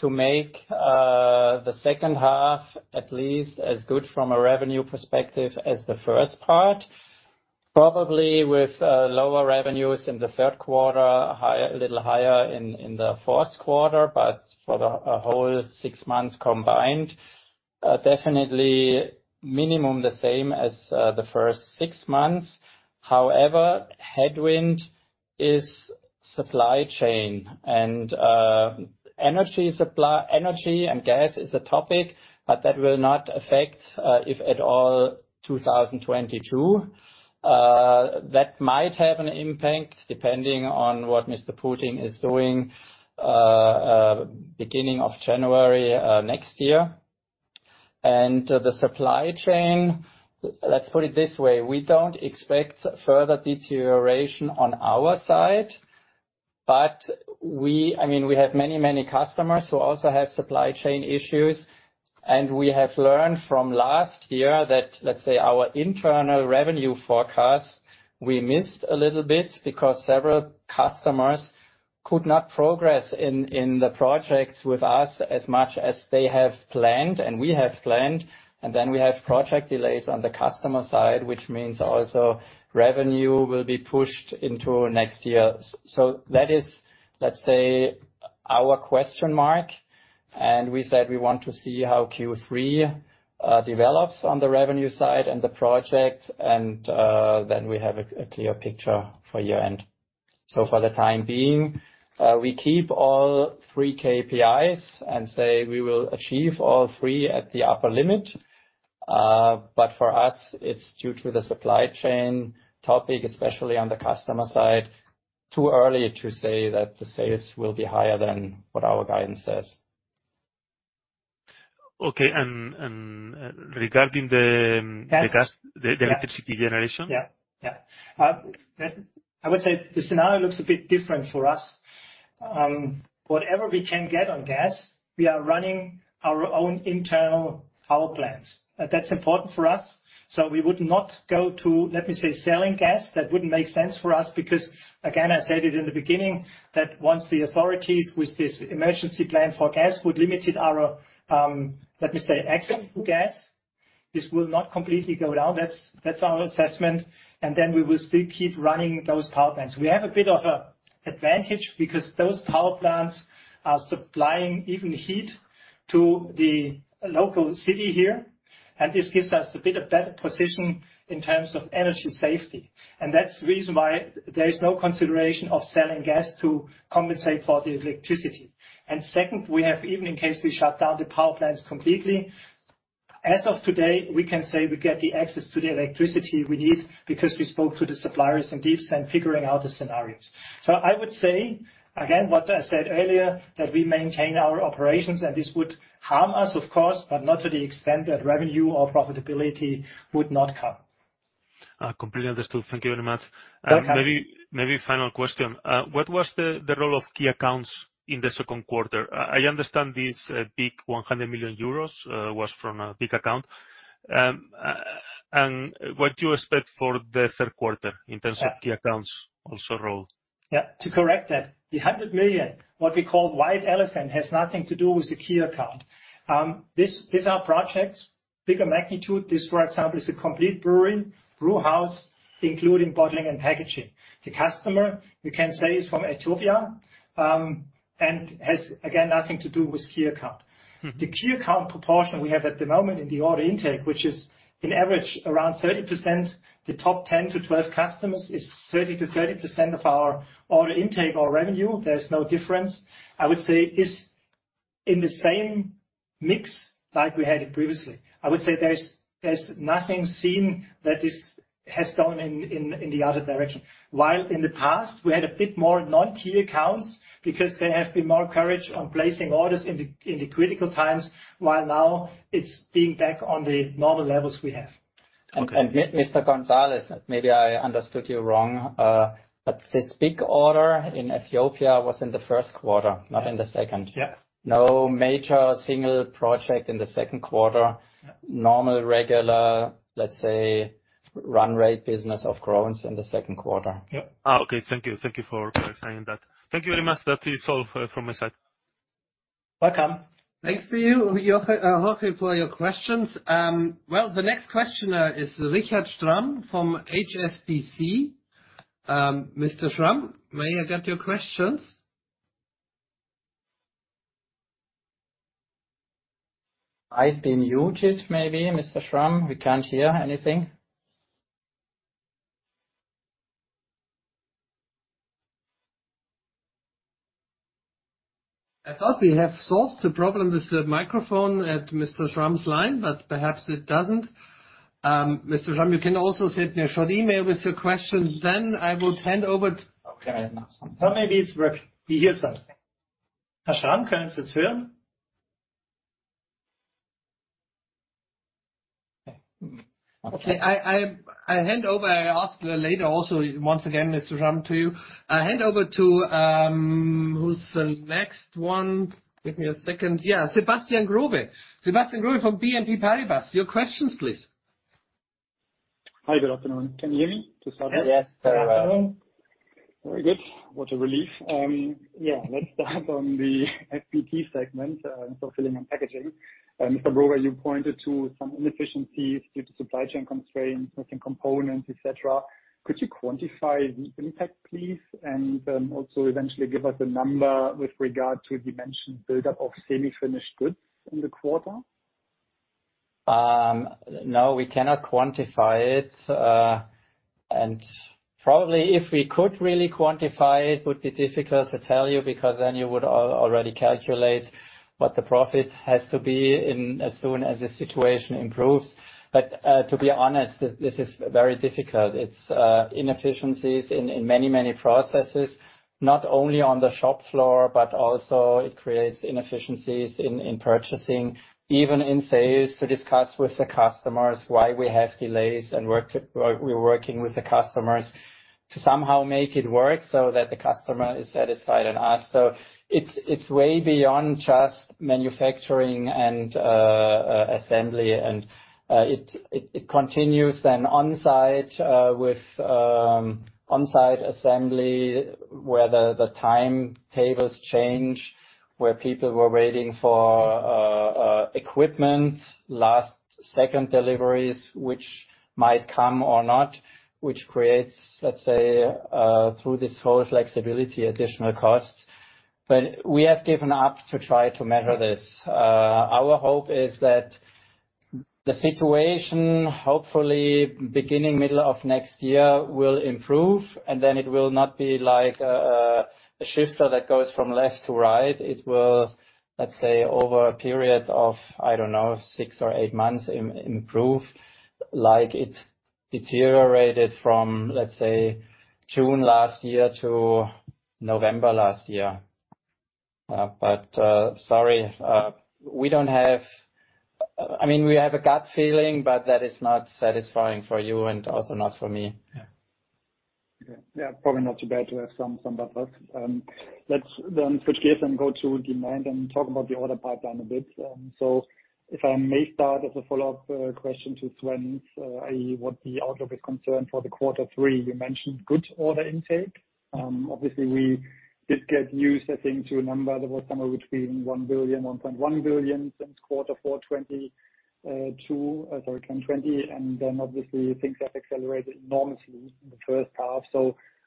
to make the second half at least as good from a revenue perspective as the first part. Probably with lower revenues in the third quarter, a little higher in the fourth quarter, but for the whole six months combined, definitely minimum the same as the first six months. However, headwind is supply chain and energy and gas is a topic, but that will not affect, if at all, 2022. That might have an impact depending on what Vladimir Putin is doing, beginning of January next year. The supply chain, let's put it this way, we don't expect further deterioration on our side, but, I mean, we have many, many customers who also have supply chain issues, and we have learned from last year that, let's say, our internal revenue forecast, we missed a little bit because several customers could not progress in the projects with us as much as they have planned and we have planned. We have project delays on the customer side, which means also revenue will be pushed into next year. That is, let's say, our question mark, and we said we want to see how Q3 develops on the revenue side and the project and, then we have a clear picture for year-end. For the time being, we keep all three KPIs and say we will achieve all three at the upper limit. For us it's due to the supply chain topic, especially on the customer side, too early to say that the sales will be higher than what our guidance says. Okay. Regarding the- Yes. The gas, the electricity generation. Yeah. Yeah. I would say the scenario looks a bit different for us. Whatever we can get on gas, we are running our own internal power plants. That's important for us. We would not go to, let me say, selling gas. That wouldn't make sense for us because, again, I said it in the beginning, that once the authorities with this emergency plan for gas would limited our, let me say, access to gas, this will not completely go down. That's our assessment. We will still keep running those power plants. We have a bit of a advantage because those power plants are supplying even heat to the local city here, and this gives us a bit of better position in terms of energy safety. That's the reason why there is no consideration of selling gas to compensate for the electricity. Second, we have even in case we shut down the power plants completely, as of today, we can say we get the access to the electricity we need because we spoke to the suppliers in depth and figuring out the scenarios. I would say, again, what I said earlier, that we maintain our operations and this would harm us, of course, but not to the extent that revenue or profitability would not come. Completely understood. Thank you very much. Don't have it. Maybe final question. What was the role of key accounts in the second quarter? I understand this big 100 million euros was from a big account. What do you expect for the third quarter in terms of key accounts also role? Yeah. To correct that, the 100 million, what we call white elephant, has nothing to do with the key account. This, these are projects, bigger magnitude. This, for example, is a complete brewery, brew house, including bottling and packaging. The customer, we can say, is from Ethiopia, and has, again, nothing to do with key account. Mm. The key account proportion we have at the moment in the order intake, which is on average around 30%, the top 10 to 12 customers is 30% of our order intake or revenue. There's no difference. I would say it is in the same mix like we had it previously. I would say there's nothing seen that has gone in the other direction. While in the past we had a bit more non-key accounts because they have been more courageous in placing orders in the critical times, while now it's back on the normal levels we have. Okay. Mr. González, maybe I understood you wrong, but this big order in Ethiopia was in the first quarter, not in the second. Yeah. No major single project in the second quarter. Yeah. Normal, regular, let's say, run rate business of Krones in the second quarter. Yep. Okay. Thank you. Thank you for explaining that. Thank you very much. That is all from my side. Welcome. Thanks to you, Jorge, for your questions. The next questioner is Richard Schramm from HSBC. Mr. Schramm, may I get your questions? I've been muted, maybe, Mr. Schramm. We can't hear anything. I thought we have solved the problem with the microphone at Mr. Schramm's line, but perhaps it doesn't. Mr. Schramm, you can also send me a short email with your question, then I would hand over to- Okay. Maybe it's working. We hear something. Mr. Schramm, can you hear us? Okay. I hand over. I ask later also once again, Mr. Schramm, to you. I hand over to, who's the next one? Give me a second. Yeah. Sebastian Growe. Sebastian Growe from BNP Paribas. Your questions, please. Hi, good afternoon. Can you hear me to start with? Yes. Very good. What a relief. Let's start on the FPT segment, filling and packaging. Mr. Broger, you pointed to some inefficiencies due to supply chain constraints, missing components, et cetera. Could you quantify the impact, please, and also eventually give us a number with regard to dimension build-up of semi-finished goods in the quarter? No, we cannot quantify it. Probably if we could really quantify it, would be difficult to tell you because then you would already calculate what the profit has to be in, as soon as the situation improves. To be honest, this is very difficult. It's inefficiencies in many processes, not only on the shop floor, but also it creates inefficiencies in purchasing, even in sales to discuss with the customers why we have delays. We're working with the customers to somehow make it work so that the customer is satisfied and us. It's way beyond just manufacturing and assembly. It continues then on-site with on-site assembly, where the timetables change, where people were waiting for equipment, last second deliveries, which might come or not, which creates, let's say, through this whole flexibility, additional costs. We have given up to try to measure this. Our hope is that the situation, hopefully beginning middle of next year, will improve, and then it will not be like a shifter that goes from left to right. It will, let's say, over a period of, I don't know, six or eight months, improve, like it deteriorated from, let's say, June last year to November last year. We don't have. I mean, we have a gut feeling, but that is not satisfying for you and also not for me. Yeah. Probably not too bad to have some of that work. Let's then switch gears and go to demand and talk about the order pipeline a bit. If I may start as a follow-up question to Sven, i.e. what the outlook is concerned for the quarter three. You mentioned good order intake. Obviously we did get used, I think, to a number that was somewhere between 1 billion, 1.1 billion since quarter four 2020. Then obviously things have accelerated enormously in the first half.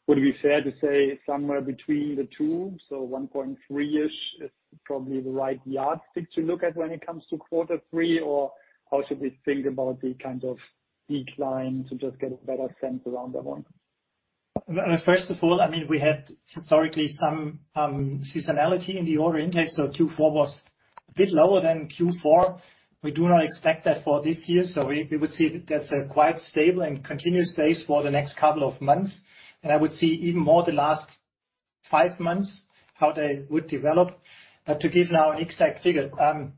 Would it be fair to say somewhere between the two, so 1.3 billion-ish is probably the right yardstick to look at when it comes to quarter three? Or how should we think about the kind of decline to just get a better sense around that one? First of all, I mean, we had historically some seasonality in the order intake, so Q4 was a bit lower than Q4. We do not expect that for this year, so we would see that's a quite stable and continuous base for the next couple of months. I would see even more the last five months, how they would develop. To give now an exact figure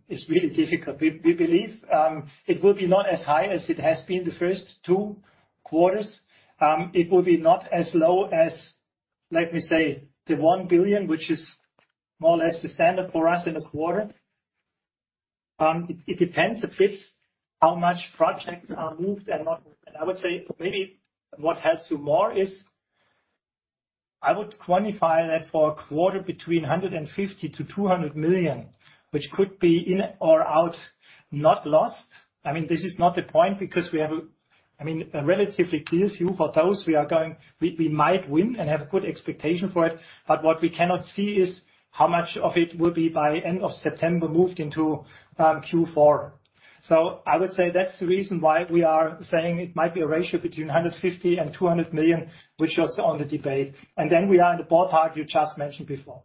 is really difficult. We believe it will be not as high as it has been the first two quarters. It will be not as low as, let me say, 1 billion, which is more or less the standard for us in a quarter. It depends a bit how much projects are moved and not. I would say maybe what helps you more is I would quantify that for a quarter between 150 million to 200 million, which could be in or out, not lost. I mean, this is not the point because we have, I mean, a relatively clear view for those we might win and have good expectation for it. But what we cannot see is how much of it will be by end of September moved into Q4. So I would say that's the reason why we are saying it might be a ratio between 150 and 200 million, which was on the table. We are in the ballpark you just mentioned before.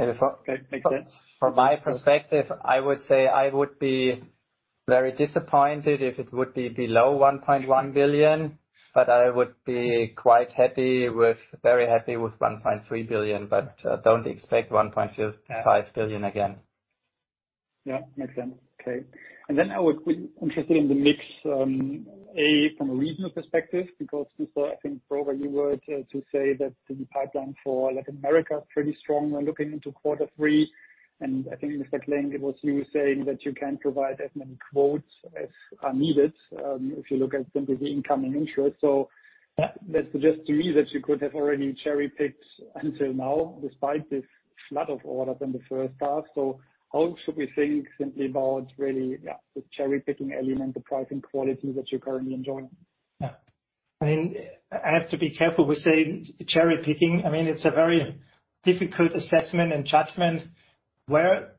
Okay. Makes sense. From my perspective, I would say I would be very disappointed if it would be below 1.1 billion, but I would be quite happy with, very happy with 1.3 billion. Don't expect 1.5 billion again. Yeah, makes sense. Okay. I would be interested in the mix from a regional perspective. Because Mr. I think, Broger, you were to say that the pipeline for Latin America is pretty strong when looking into quarter three. I think, Mr. Klenk, it was you saying that you can provide as many quotes as are needed if you look at simply the incoming interest. That suggests to me that you could have already cherry-picked until now despite this flood of orders in the first half. How should we think simply about really the cherry-picking element, the pricing quality that you're currently enjoying? Yeah. I mean, I have to be careful with saying cherry-picking. I mean, it's a very difficult assessment and judgment. Where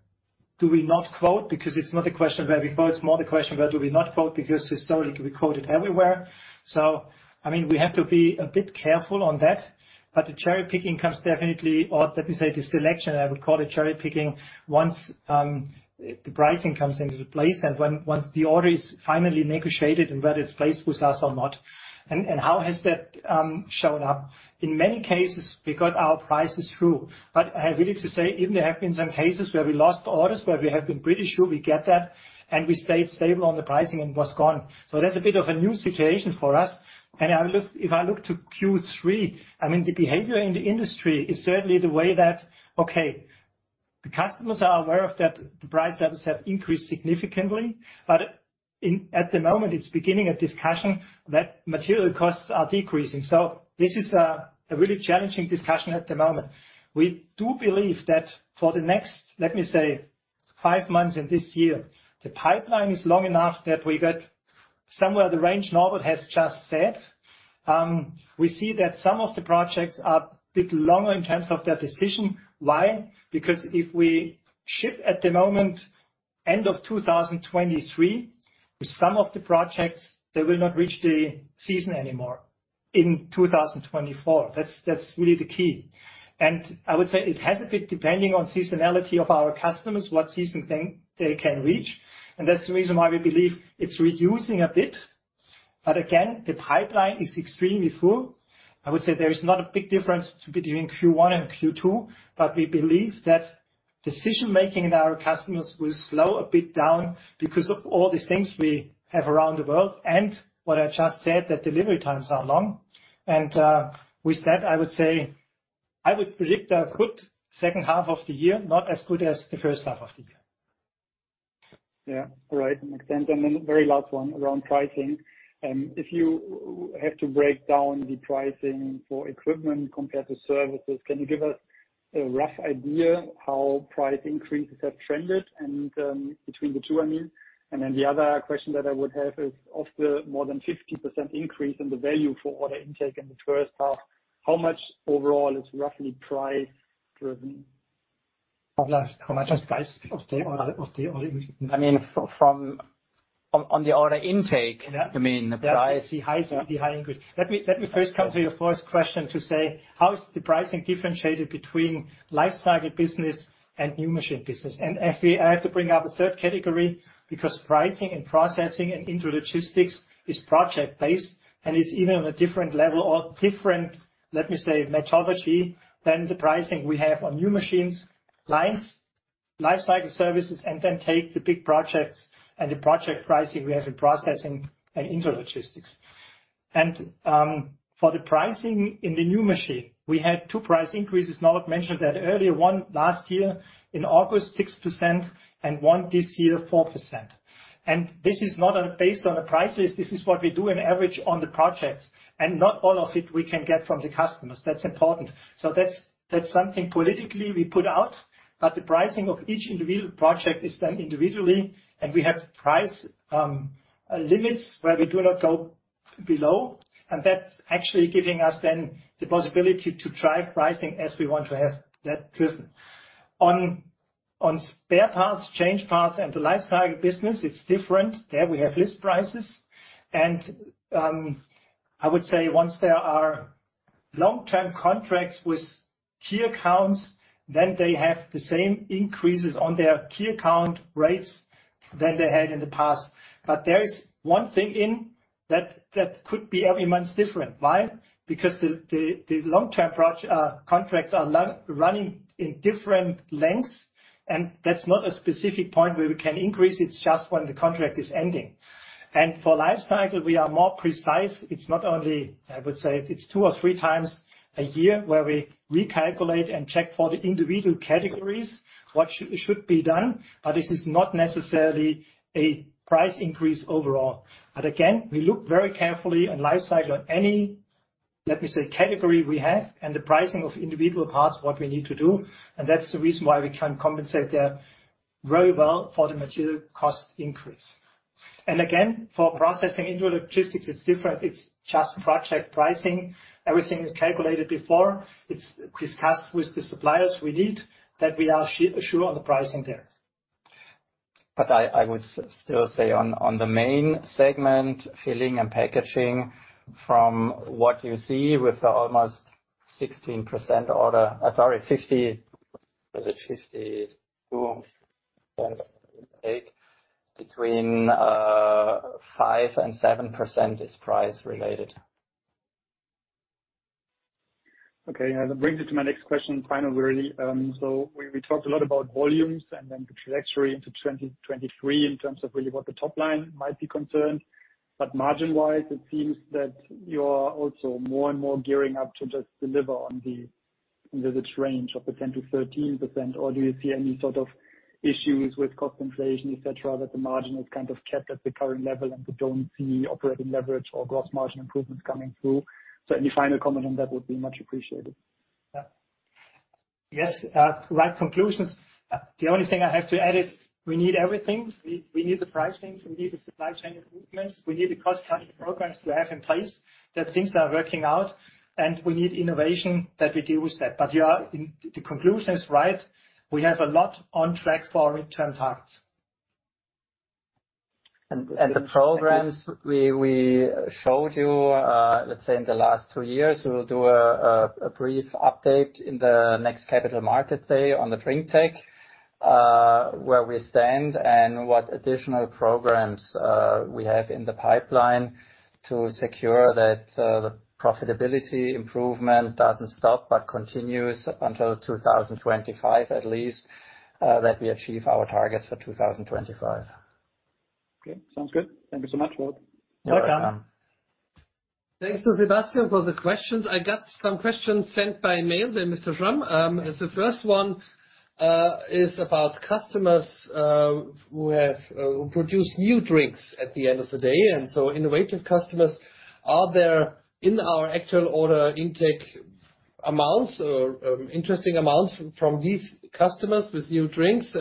do we not quote? Because it's not a question of where we quote, it's more the question of where do we not quote, because historically we quoted everywhere. I mean, we have to be a bit careful on that. The cherry-picking comes definitely, or let me say the selection, I would call it cherry-picking, once the pricing comes into place and when, once the order is finally negotiated and whether it's placed with us or not. How has that shown up? In many cases, we got our prices through. I have really to say, even there have been some cases where we lost orders, where we have been pretty sure we get that, and we stayed stable on the pricing and was gone. That's a bit of a new situation for us. If I look to Q3, I mean, the behavior in the industry is certainly the way that the customers are aware of that the price levels have increased significantly. At the moment, it's beginning a discussion that material costs are decreasing. This is a really challenging discussion at the moment. We do believe that for the next, let me say, five months in this year, the pipeline is long enough that we get somewhere the range Norbert has just said. We see that some of the projects are a bit longer in terms of their decision. Why? Because if we ship at the moment end of 2023, with some of the projects, they will not reach the season anymore in 2024. That's really the key. I would say it has a bit depending on seasonality of our customers, what season thing they can reach. That's the reason why we believe it's reducing a bit. Again, the pipeline is extremely full. I would say there is not a big difference between Q1 and Q2, but we believe that decision-making in our customers will slow a bit down because of all these things we have around the world. What I just said, that delivery times are long. With that, I would say, I would predict a good second half of the year, not as good as the first half of the year. Yeah. All right. Makes sense. Very last one around pricing. If you have to break down the pricing for equipment compared to services, can you give us a rough idea how price increases have trended and between the two, I mean. The other question that I would have is of the more than 50% increase in the value for order intake in the first half, how much overall is roughly price driven? How much is price of the order- I mean, from on the order intake. Yeah. I mean, the price. Yeah. The high increase. Let me first come to your first question to say, how is the pricing differentiated between lifecycle business and new machine business? I have to bring up a third category because pricing and processing and Intralogistics is project-based and is even on a different level or different, let me say, methodology than the pricing we have on new machines, lines, lifecycle services, and then take the big projects and the project pricing we have in processing and Intralogistics. For the pricing in the new machine, we had two price increases. Norbert mentioned that earlier. One last year in August, 6%, and one this year, 4%. This is not based on a price list. This is what we do on average on the projects. Not all of it we can get from the customers. That's important. That's something politically we put out. The pricing of each individual project is done individually, and we have price limits where we do not go below. That's actually giving us then the possibility to drive pricing as we want to have that driven. On spare parts, change parts and the lifecycle business, it's different. There we have list prices. I would say once there are long-term contracts with key accounts, then they have the same increases on their key account rates than they had in the past. There is one thing in that that could be every month different. Why? Because the long-term contracts are running in different lengths, and that's not a specific point where we can increase. It's just when the contract is ending. For lifecycle, we are more precise. It's not only, I would say it's 2 or 3x a year where we recalculate and check for the individual categories what should be done. This is not necessarily a price increase overall. Again, we look very carefully on lifecycle on any, let me say, category we have and the pricing of individual parts, what we need to do. That's the reason why we can compensate there very well for the material cost increase. Again, for processing Intralogistics, it's different. It's just project pricing. Everything is calculated before. It's discussed with the suppliers we need that we are sure on the pricing there. I would still say on the main segment, Filling and Packaging, from what you see with almost 16% order. Sorry, 50. Was it 52 between 5% and 7% is price related. Okay. That brings me to my next question, final really. We talked a lot about volumes and then potentially into 2023 in terms of really what the top line might be concerned. Margin-wise, it seems that you're also more and more gearing up to just deliver on the mid-teens range of the 10%-13%. Do you see any sort of issues with cost inflation, et cetera, that the margin is kind of kept at the current level and we don't see operating leverage or gross margin improvements coming through? Any final comment on that would be much appreciated. Yes, right conclusions. The only thing I have to add is we need everything. We need the pricings, we need the supply chain improvements, we need the cost cutting programs we have in place, that things are working out, and we need innovation that we deal with that. You are right. The conclusion is right. We have a lot on track for return targets. The programs we showed you, let's say in the last two years, we will do a brief update in the next Capital Market Day on the drinktec, where we stand and what additional programs we have in the pipeline to secure that the profitability improvement doesn't stop but continues until 2025 at least, that we achieve our targets for 2025. Okay, sounds good. Thank you so much. Well done. Thanks to Sebastian for the questions. I got some questions sent by mail by Mr. Schramm. The first one is about customers who produce new drinks at the end of the day. Innovative customers are there in our actual order intake amount or interesting amounts from these customers with new drinks.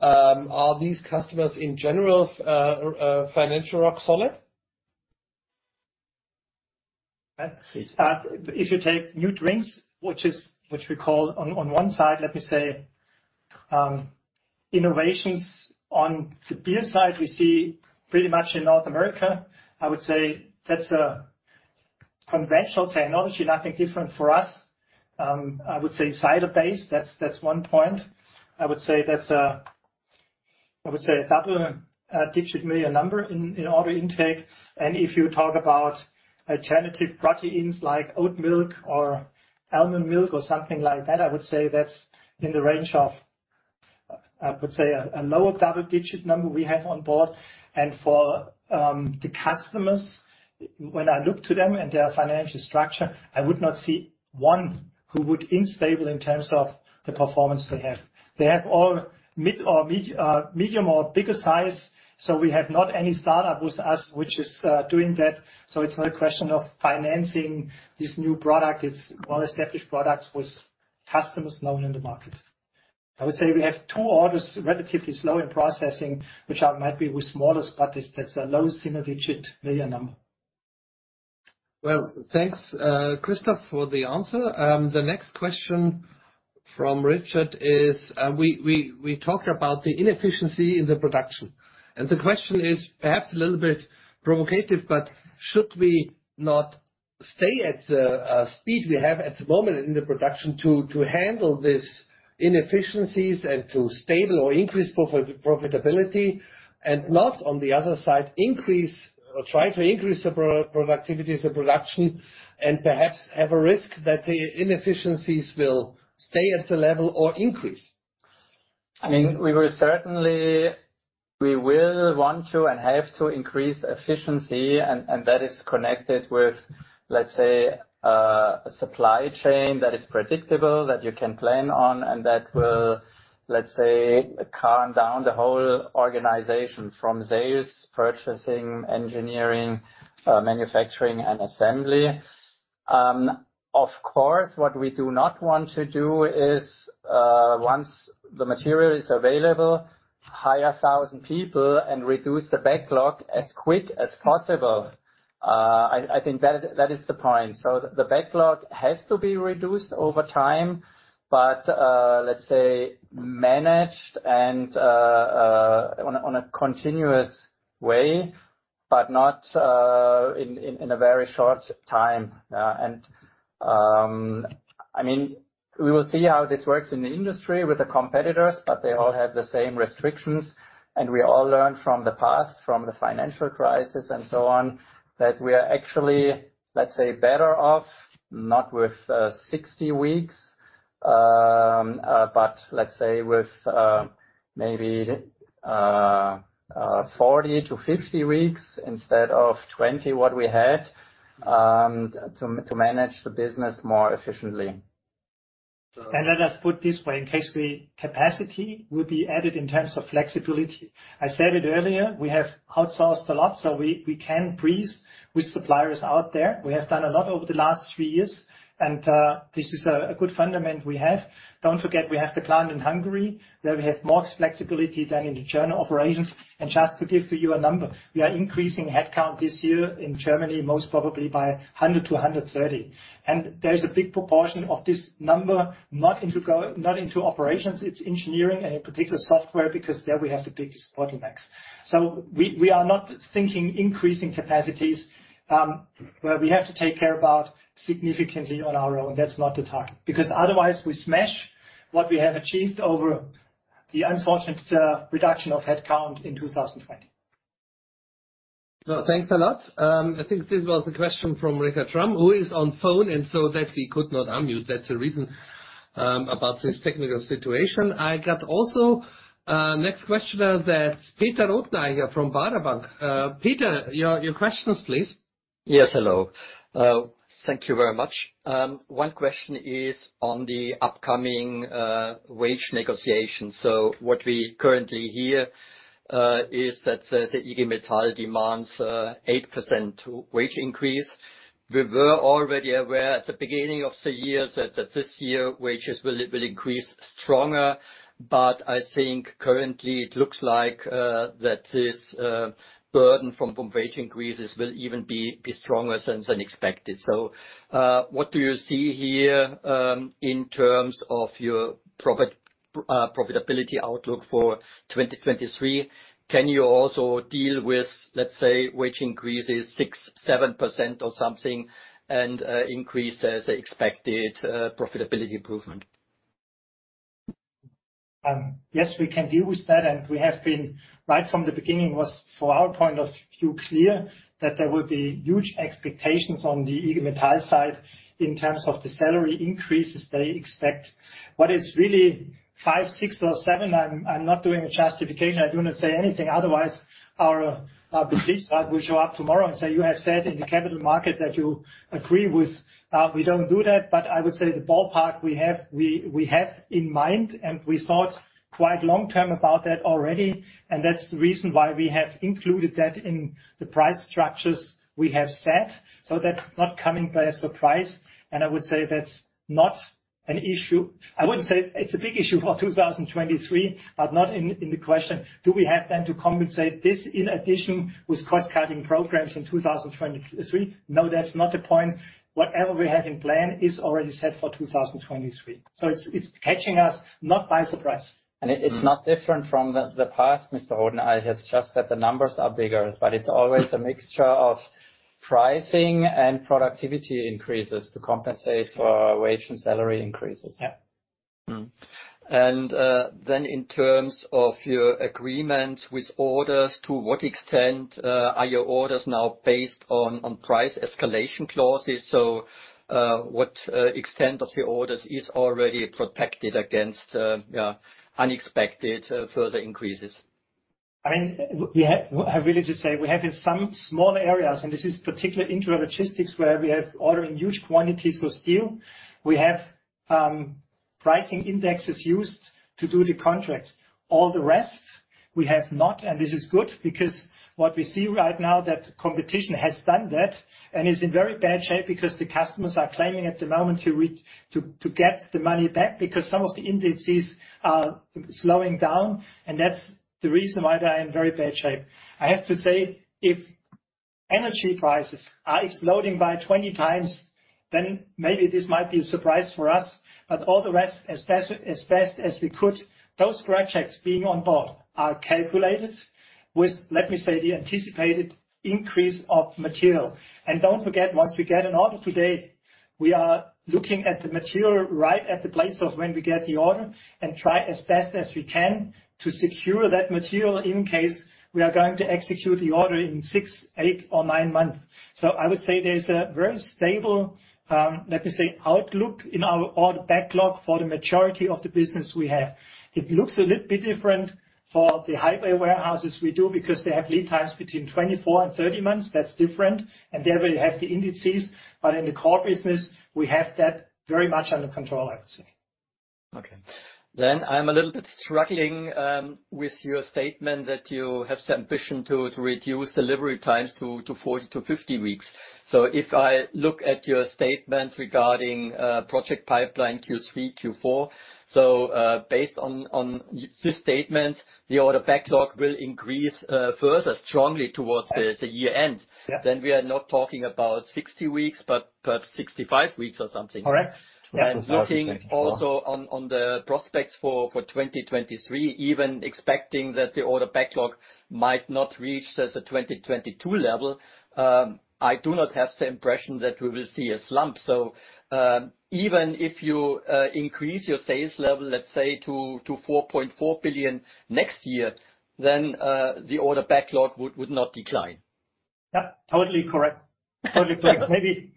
Are these customers in general financially rock solid? If you take new drinks, which we call on one side, let me say, innovations. On the beer side, we see pretty much in North America. I would say that's a conventional technology, nothing different for us. I would say cider-based, that's one point. I would say that's a double-digit million number in order intake. If you talk about alternative proteins like oat milk or almond milk or something like that, I would say that's in the range of a lower double-digit number we have on board. For the customers, when I look to them and their financial structure, I would not see one who would be unstable in terms of the performance they have. They have all medium or bigger size, so we have not any startup with us which is doing that. It's not a question of financing this new product. It's well-established products with customers known in the market. I would say we have two orders relatively slow in processing, which might be with the smallest, but that's a low single-digit million EUR number. Well, thanks, Christoph, for the answer. The next question from Richard is, we talked about the inefficiency in the production, and the question is perhaps a little bit provocative, but should we not stay at the speed we have at the moment in the production to handle these inefficiencies and to stabilize or increase profitability, and not, on the other side, increase or try to increase the productivities of production and perhaps have a risk that the inefficiencies will stay at the level or increase? I mean, we will certainly. We will want to and have to increase efficiency and that is connected with, let's say, a supply chain that is predictable, that you can plan on, and that will, let's say, calm down the whole organization from sales, purchasing, engineering, manufacturing and assembly. Of course, what we do not want to do is, once the material is available, hire 1,000 people and reduce the backlog as quick as possible. I think that is the point. The backlog has to be reduced over time, but let's say managed and on a continuous way, but not in a very short time. I mean, we will see how this works in the industry with the competitors, but they all have the same restrictions, and we all learn from the past, from the financial crisis and so on, that we are actually, let's say, better off not with 60 weeks, but let's say with maybe 40-50 weeks instead of 20, what we had, to manage the business more efficiently. Let us put this way, in case the capacity will be added in terms of flexibility. I said it earlier, we have outsourced a lot, so we can breeze with suppliers out there. We have done a lot over the last three years, and this is a good foundation we have. Don't forget, we have the plant in Hungary, where we have more flexibility than in the general operations. Just to give you a number, we are increasing headcount this year in Germany, most probably by 100-130. There's a big proportion of this number, not into operations. It's engineering and in particular software, because there we have the biggest bottlenecks. We are not thinking increasing capacities, where we have to take care about significantly on our own. That's not the target. Because otherwise we smash what we have achieved over the unfortunate reduction of headcount in 2020. Well, thanks a lot. I think this was a question from Richard Schramm, who is on the phone, and so that he could not unmute. That's the reason about this technical situation. I got also next questioner that's Peter Rothenaicher here from Baader Bank. Peter, your questions, please. Yes. Hello. Thank you very much. One question is on the upcoming wage negotiation. What we currently hear is that the IG Metall demands an 8% wage increase. We were already aware at the beginning of the year that this year wages will increase stronger. I think currently it looks like that this burden from wage increases will even be stronger than expected. What do you see here in terms of your profitability outlook for 2023? Can you also deal with, let's say, wage increases 6%-7% or something and increase the expected profitability improvement? Yes, we can deal with that. Right from the beginning was, from our point of view, clear that there will be huge expectations on the IG Metall side in terms of the salary increases they expect. What is really 5%, 6% or 7%, I'm not doing a justification. I do not say anything, otherwise our side will show up tomorrow and say, "You have said in the capital market that you agree with." We don't do that. I would say the ballpark we have in mind, and we thought quite long-term about that already. That's the reason why we have included that in the price structures we have set, so that's not coming as a surprise. I would say that's not an issue. I wouldn't say it's a big issue for 2023, but in the question, do we have then to compensate this in addition with cost-cutting programs in 2023? No, that's not the point. Whatever we have in plan is already set for 2023. It's not catching us by surprise. It's not different from the past, Mr. Rothenaicher. I have just said the numbers are bigger. It's always a mixture of pricing and productivity increases to compensate for wage and salary increases. Yeah. In terms of your agreement with orders, to what extent are your orders now based on price escalation clauses? What extent of the orders is already protected against unexpected further increases? I mean, we have. I really just say, we have in some small areas, and this is particularly Intralogistics, where we have ordering huge quantities for steel. We have pricing indexes used to do the contracts. All the rest we have not, and this is good, because what we see right now that the competition has done that and is in very bad shape because the customers are claiming at the moment to get the money back because some of the indices are slowing down and that's the reason why they are in very bad shape. I have to say, if energy prices are exploding by 20x, then maybe this might be a surprise for us. All the rest, as best as we could, those projects being on board are calculated with, let me say, the anticipated increase of material. Don't forget, once we get an order today, we are looking at the material right at the place of when we get the order and try as best as we can to secure that material in case we are going to execute the order in 6, 8, or 9 months. I would say there's a very stable, let me say, outlook in our order backlog for the majority of the business we have. It looks a little bit different for the high bay warehouses we do because they have lead times between 24 and 30 months. That's different. There we have the indices. In the core business, we have that very much under control, I would say. I'm a little bit struggling with your statement that you have the ambition to reduce delivery times to 40-50 weeks. If I look at your statements regarding project pipeline Q3, Q4, based on these statements, the order backlog will increase further strongly towards the year-end. Yeah. We are not talking about 60 weeks, but perhaps 65 weeks or something. Correct. Also on the prospects for 2023, even expecting that the order backlog might not reach the 2022 level, I do not have the impression that we will see a slump. Even if you increase your sales level, let's say to 4.4 billion next year, then the order backlog would not decline. Yeah, totally correct. Maybe,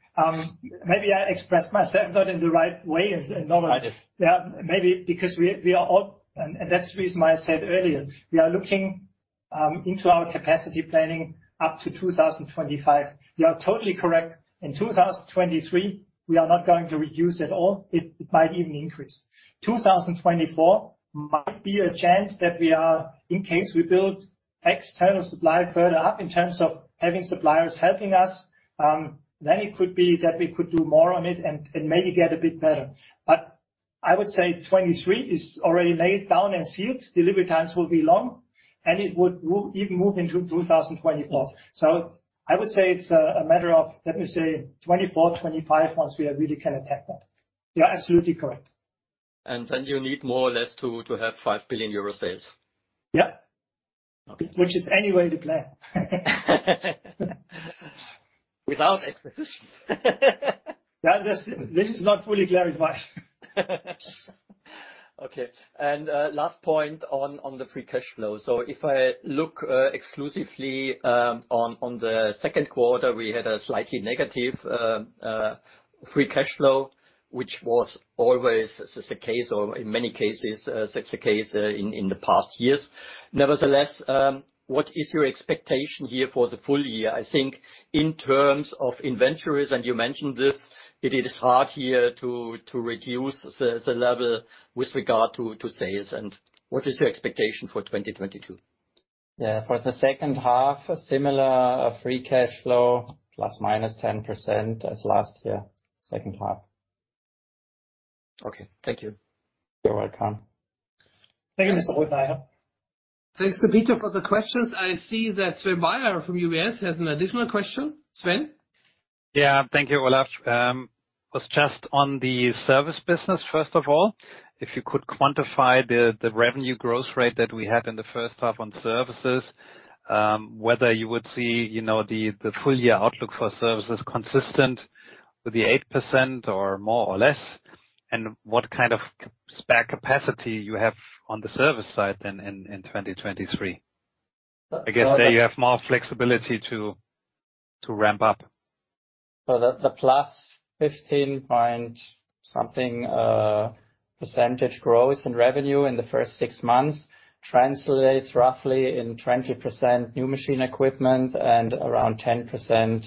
maybe I expressed myself not in the right way as normal. Right. Yeah. Maybe because that's the reason why I said earlier, we are looking into our capacity planning up to 2025. You are totally correct. In 2023, we are not going to reduce at all. It might even increase. 2024 might be a chance that we are, in case we build external supply further up in terms of having suppliers helping us, then it could be that we could do more on it and maybe get a bit better. I would say 2023 is already nailed down and sealed. Delivery times will be long, and it would even move into 2024. I would say it's a matter of, let me say, 2024, 2025, once we really can attack that. You are absolutely correct. You need more or less to have 5 billion euro sales. Yeah. Okay. Which is anyway the plan. Without acquisitions. Yeah, this is not fully clarified. Okay. Last point on the free cash flow. If I look exclusively on the second quarter, we had a slightly negative free cash flow, which was always the case or in many cases such a case in the past years. Nevertheless, what is your expectation here for the full year? I think in terms of inventories, and you mentioned this, it is hard here to reduce the level with regard to sales. What is your expectation for 2022? Yeah, for the second half, a similar free cash flow ±10% as last year, second half. Okay. Thank you. You're welcome. Thank you, Mr. Rothenaicher. Thanks, Peter Rothenaicher, for the questions. I see that Sven Weier from UBS has an additional question. Sven? Yeah. Thank you, Olaf. I was just on the service business, first of all, if you could quantify the revenue growth rate that we had in the first half on services, whether you would see, you know, the full year outlook for services consistent with the 8% or more or less, and what kind of spare capacity you have on the service side then in 2023. I guess there you have more flexibility to ramp up. The +15% growth in revenue in the first six months translates roughly into 20% new machine equipment and around 10%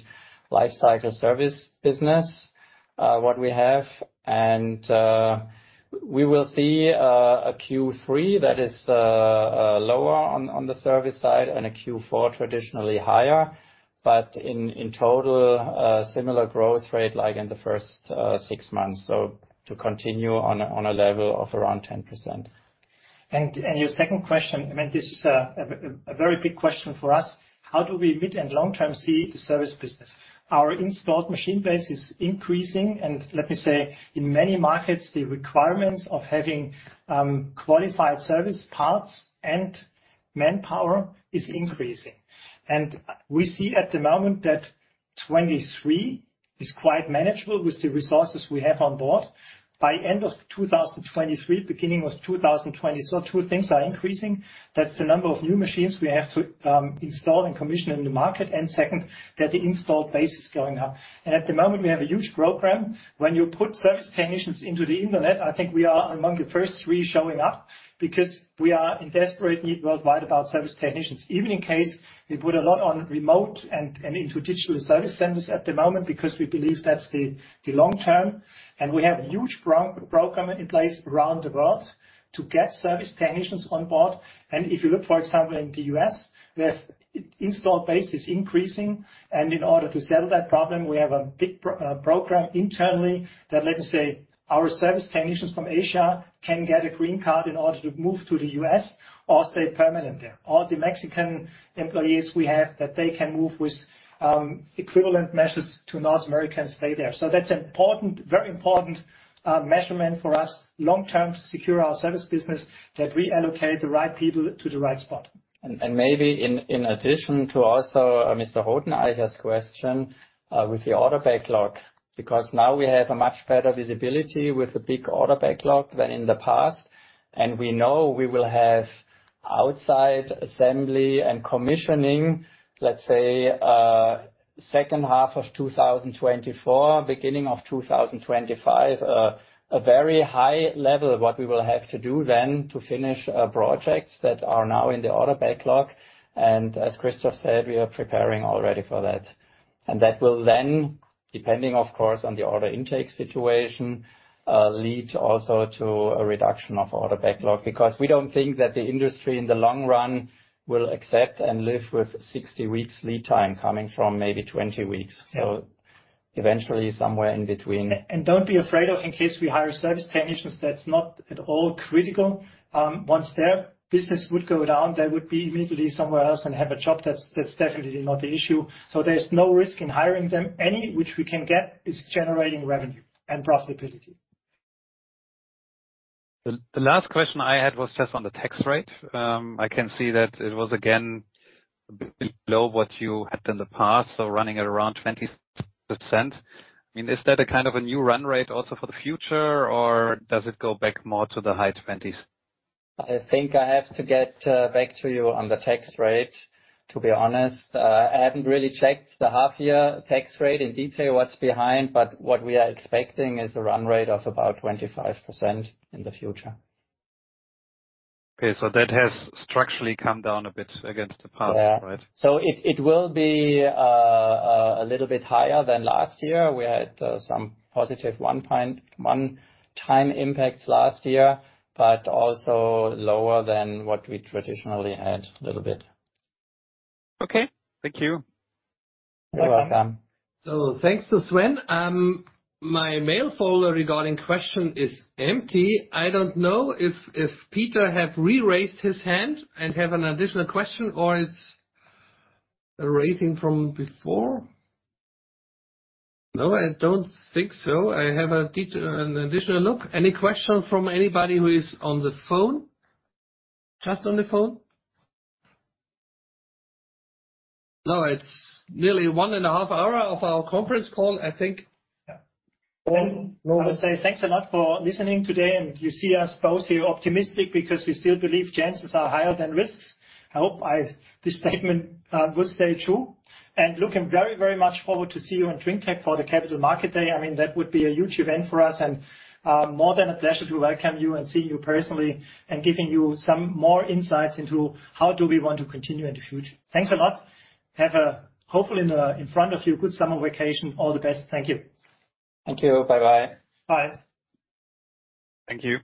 life cycle service business, what we have. We will see a Q3 that is lower on the service side and a Q4 traditionally higher. In total, similar growth rate like in the first six months. To continue on a level of around 10%. Your second question, I mean, this is a very big question for us. How do we mid and long-term see the service business? Our installed machine base is increasing. Let me say, in many markets, the requirements of having qualified service parts and manpower is increasing. We see at the moment that 2023 is quite manageable with the resources we have on board. By end of 2023, beginning of 2020. Two things are increasing. That's the number of new machines we have to install and commission in the market. Second, that the installed base is going up. At the moment, we have a huge program. When you put service technicians into the internet, I think we are among the first three showing up because we are in desperate need worldwide about service technicians. Even in case we put a lot on remote and into digital service centers at the moment because we believe that's the long term. We have huge program in place around the world to get service technicians on board. If you look, for example, in the US, the installed base is increasing. In order to settle that problem, we have a big program internally that let me say, our service technicians from Asia can get a green card in order to move to the US or stay permanent there. All the Mexican employees we have, that they can move with equivalent measures to North America stay there. That's important, very important, measurement for us long term to secure our service business, that we allocate the right people to the right spot. Maybe in addition to Mr. Rothenaicher's question with the order backlog. Because now we have a much better visibility with the big order backlog than in the past. We know we will have outside assembly and commissioning, let's say, second half of 2024, beginning of 2025. A very high level of what we will have to do then to finish projects that are now in the order backlog. As Christoph said, we are preparing already for that. That will then, depending of course on the order intake situation, lead also to a reduction of order backlog. Because we don't think that the industry in the long run will accept and live with 60 weeks lead time coming from maybe 20 weeks. Eventually somewhere in between. Don't be afraid of in case we hire service technicians, that's not at all critical. Once their business would go down, they would be immediately somewhere else and have a job. That's definitely not the issue. There's no risk in hiring them. Anyone we can get is generating revenue and profitability. The last question I had was just on the tax rate. I can see that it was again below what you had in the past, so running at around 20%. I mean, is that a kind of a new run rate also for the future, or does it go back more to the high 20s? I think I have to get back to you on the tax rate, to be honest. I haven't really checked the half-year tax rate in detail, what's behind, but what we are expecting is a run rate of about 25% in the future. Okay. That has structurally come down a bit against the past, right? Yeah. It will be a little bit higher than last year. We had some positive one-time impacts last year, but also lower than what we traditionally had a little bit. Okay. Thank you. You're welcome. Thanks to Sven. My mail folder regarding question is empty. I don't know if Peter have re-raised his hand and have an additional question or it's a raising from before. No, I don't think so. I have an additional look. Any question from anybody who is on the phone? Just on the phone? No. It's nearly 1.5 hours of our conference call, I think. Yeah. No one. I would say thanks a lot for listening today, and you see us both here optimistic because we still believe chances are higher than risks. I hope this statement will stay true. Looking very, very much forward to see you on drinktec for the Capital Market Day. I mean, that would be a huge event for us and more than a pleasure to welcome you and see you personally and giving you some more insights into how do we want to continue in the future. Thanks a lot. Have a hopefully good summer vacation in front of you. All the best. Thank you. Thank you. Bye bye. Bye. Thank you.